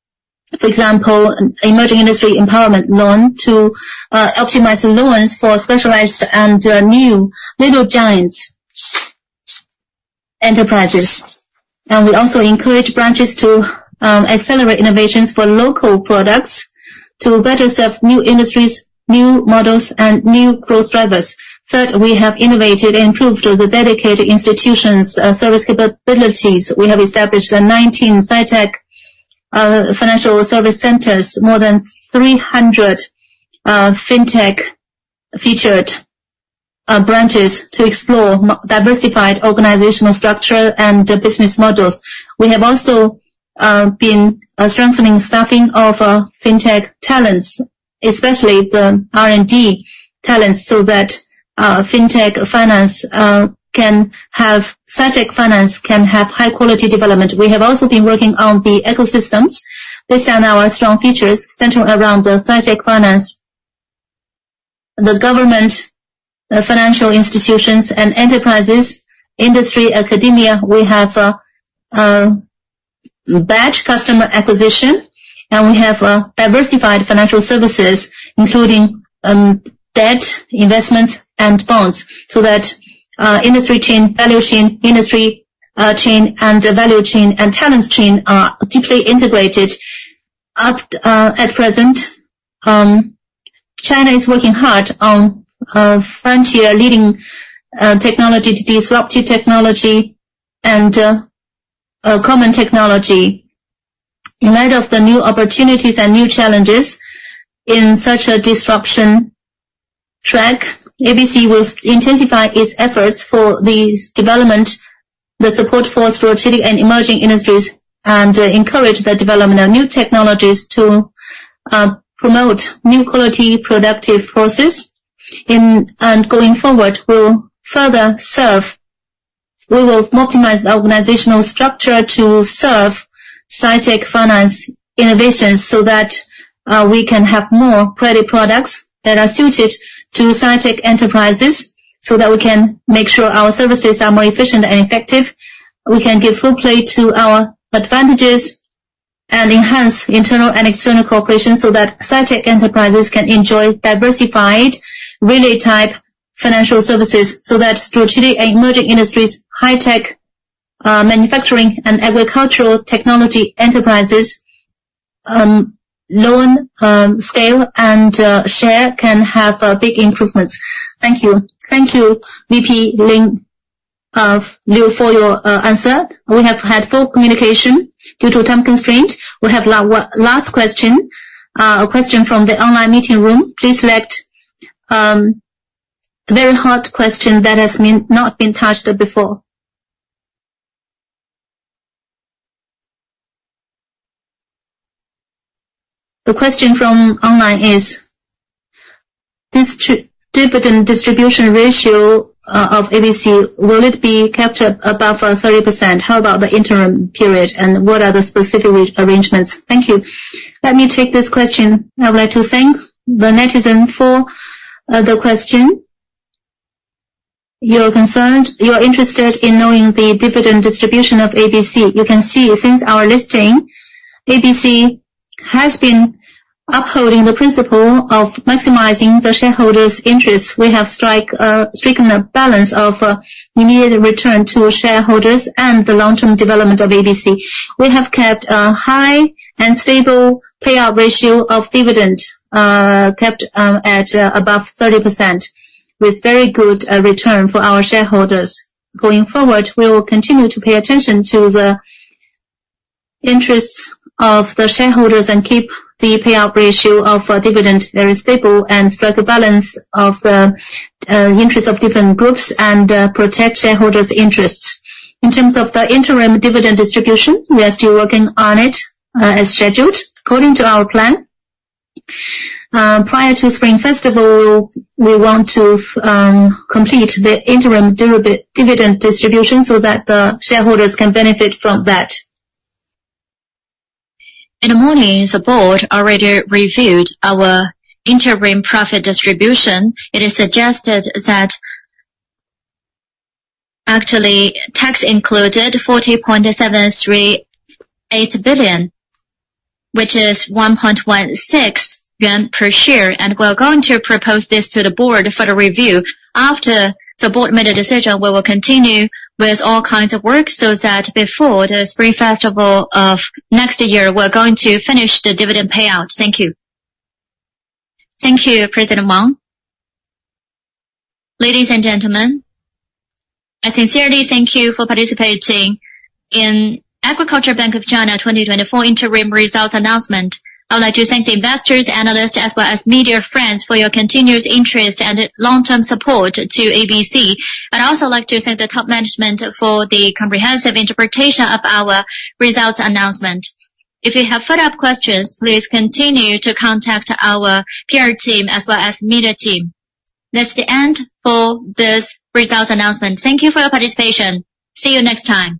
For example, emerging industry empowerment loan to optimize the loans for specialized and new Little Giant enterprises. And we also encourage branches to accelerate innovations for local products to better serve new industries, new models, and new growth drivers. Third, we have innovated and improved the dedicated institutions' service capabilities. We have established the 19 Sci-Tech financial service centers, more than 300 fintech-featured branches to explore diversified organizational structure and business models. We have also been strengthening staffing of fintech talents, especially the R&D talents, so that Sci-Tech finance can have high quality development. We have also been working on the ecosystems. These are our strong features centered around the Sci-Tech finance. The government, financial institutions and enterprises, industry, academia, we have a batch customer acquisition, and we have diversified financial services, including debt, investments, and bonds, so that industry chain, value chain, industry chain, and value chain, and talents chain are deeply integrated. At present, China is working hard on frontier leading technology to disruptive technology and common technology. In light of the new opportunities and new challenges in such a disruption track, ABC will intensify its efforts for these development, the support for strategic and emerging industries, and encourage the development of new technologies to promote new quality productive forces. In... Going forward, we will optimize the organizational structure to serve Sci-Tech finance innovations, so that we can have more credit products that are suited to Sci-Tech enterprises, so that we can make sure our services are more efficient and effective. We can give full play to our advantages and enhance internal and external cooperation, so that Sci-Tech enterprises can enjoy diversified relay type financial services, so that strategic and emerging industries, high-tech manufacturing, and agricultural technology enterprises loan scale and share can have big improvements. Thank you. Thank you, VP Lin Li, for your answer. We have had full communication. Due to time constraint, we have last question, a question from the online meeting room. Please select a very hard question that has not been touched before. The question from online is: this year, dividend distribution ratio of ABC, will it be kept up above 30%? How about the interim period, and what are the specific arrangements? Thank you. Let me take this question. I would like to thank the netizen for the question. You're concerned, you are interested in knowing the dividend distribution of ABC. You can see, since our listing, ABC has been upholding the principle of maximizing the shareholders' interests. We have stricken a balance of immediate return to shareholders and the long-term development of ABC. We have kept a high and stable payout ratio of dividend kept at above 30%, with very good return for our shareholders. Going forward, we will continue to pay attention to the interests of the shareholders and keep the payout ratio of our dividend very stable, and strike a balance of the interests of different groups and protect shareholders' interests. In terms of the interim dividend distribution, we are still working on it as scheduled. According to our plan, prior to Spring Festival, we want to complete the interim dividend distribution so that the shareholders can benefit from that. In the morning, the board already reviewed our interim profit distribution. It is suggested that actually, tax included, 40.738 billion, which is 1.16 yuan per share, and we are going to propose this to the board for the review. After the board made a decision, we will continue with all kinds of work, so that before the Spring Festival of next year, we're going to finish the dividend payout. Thank you. Thank you, President Wang. Ladies and gentlemen, I sincerely thank you for participating in Agricultural Bank of China 2024 interim results announcement. I would like to thank the investors, analysts, as well as media friends for your continuous interest and long-term support to ABC. I'd also like to thank the top management for the comprehensive interpretation of our results announcement. If you have follow-up questions, please continue to contact our PR team as well as media team. That's the end for this results announcement. Thank you for your participation. See you next time.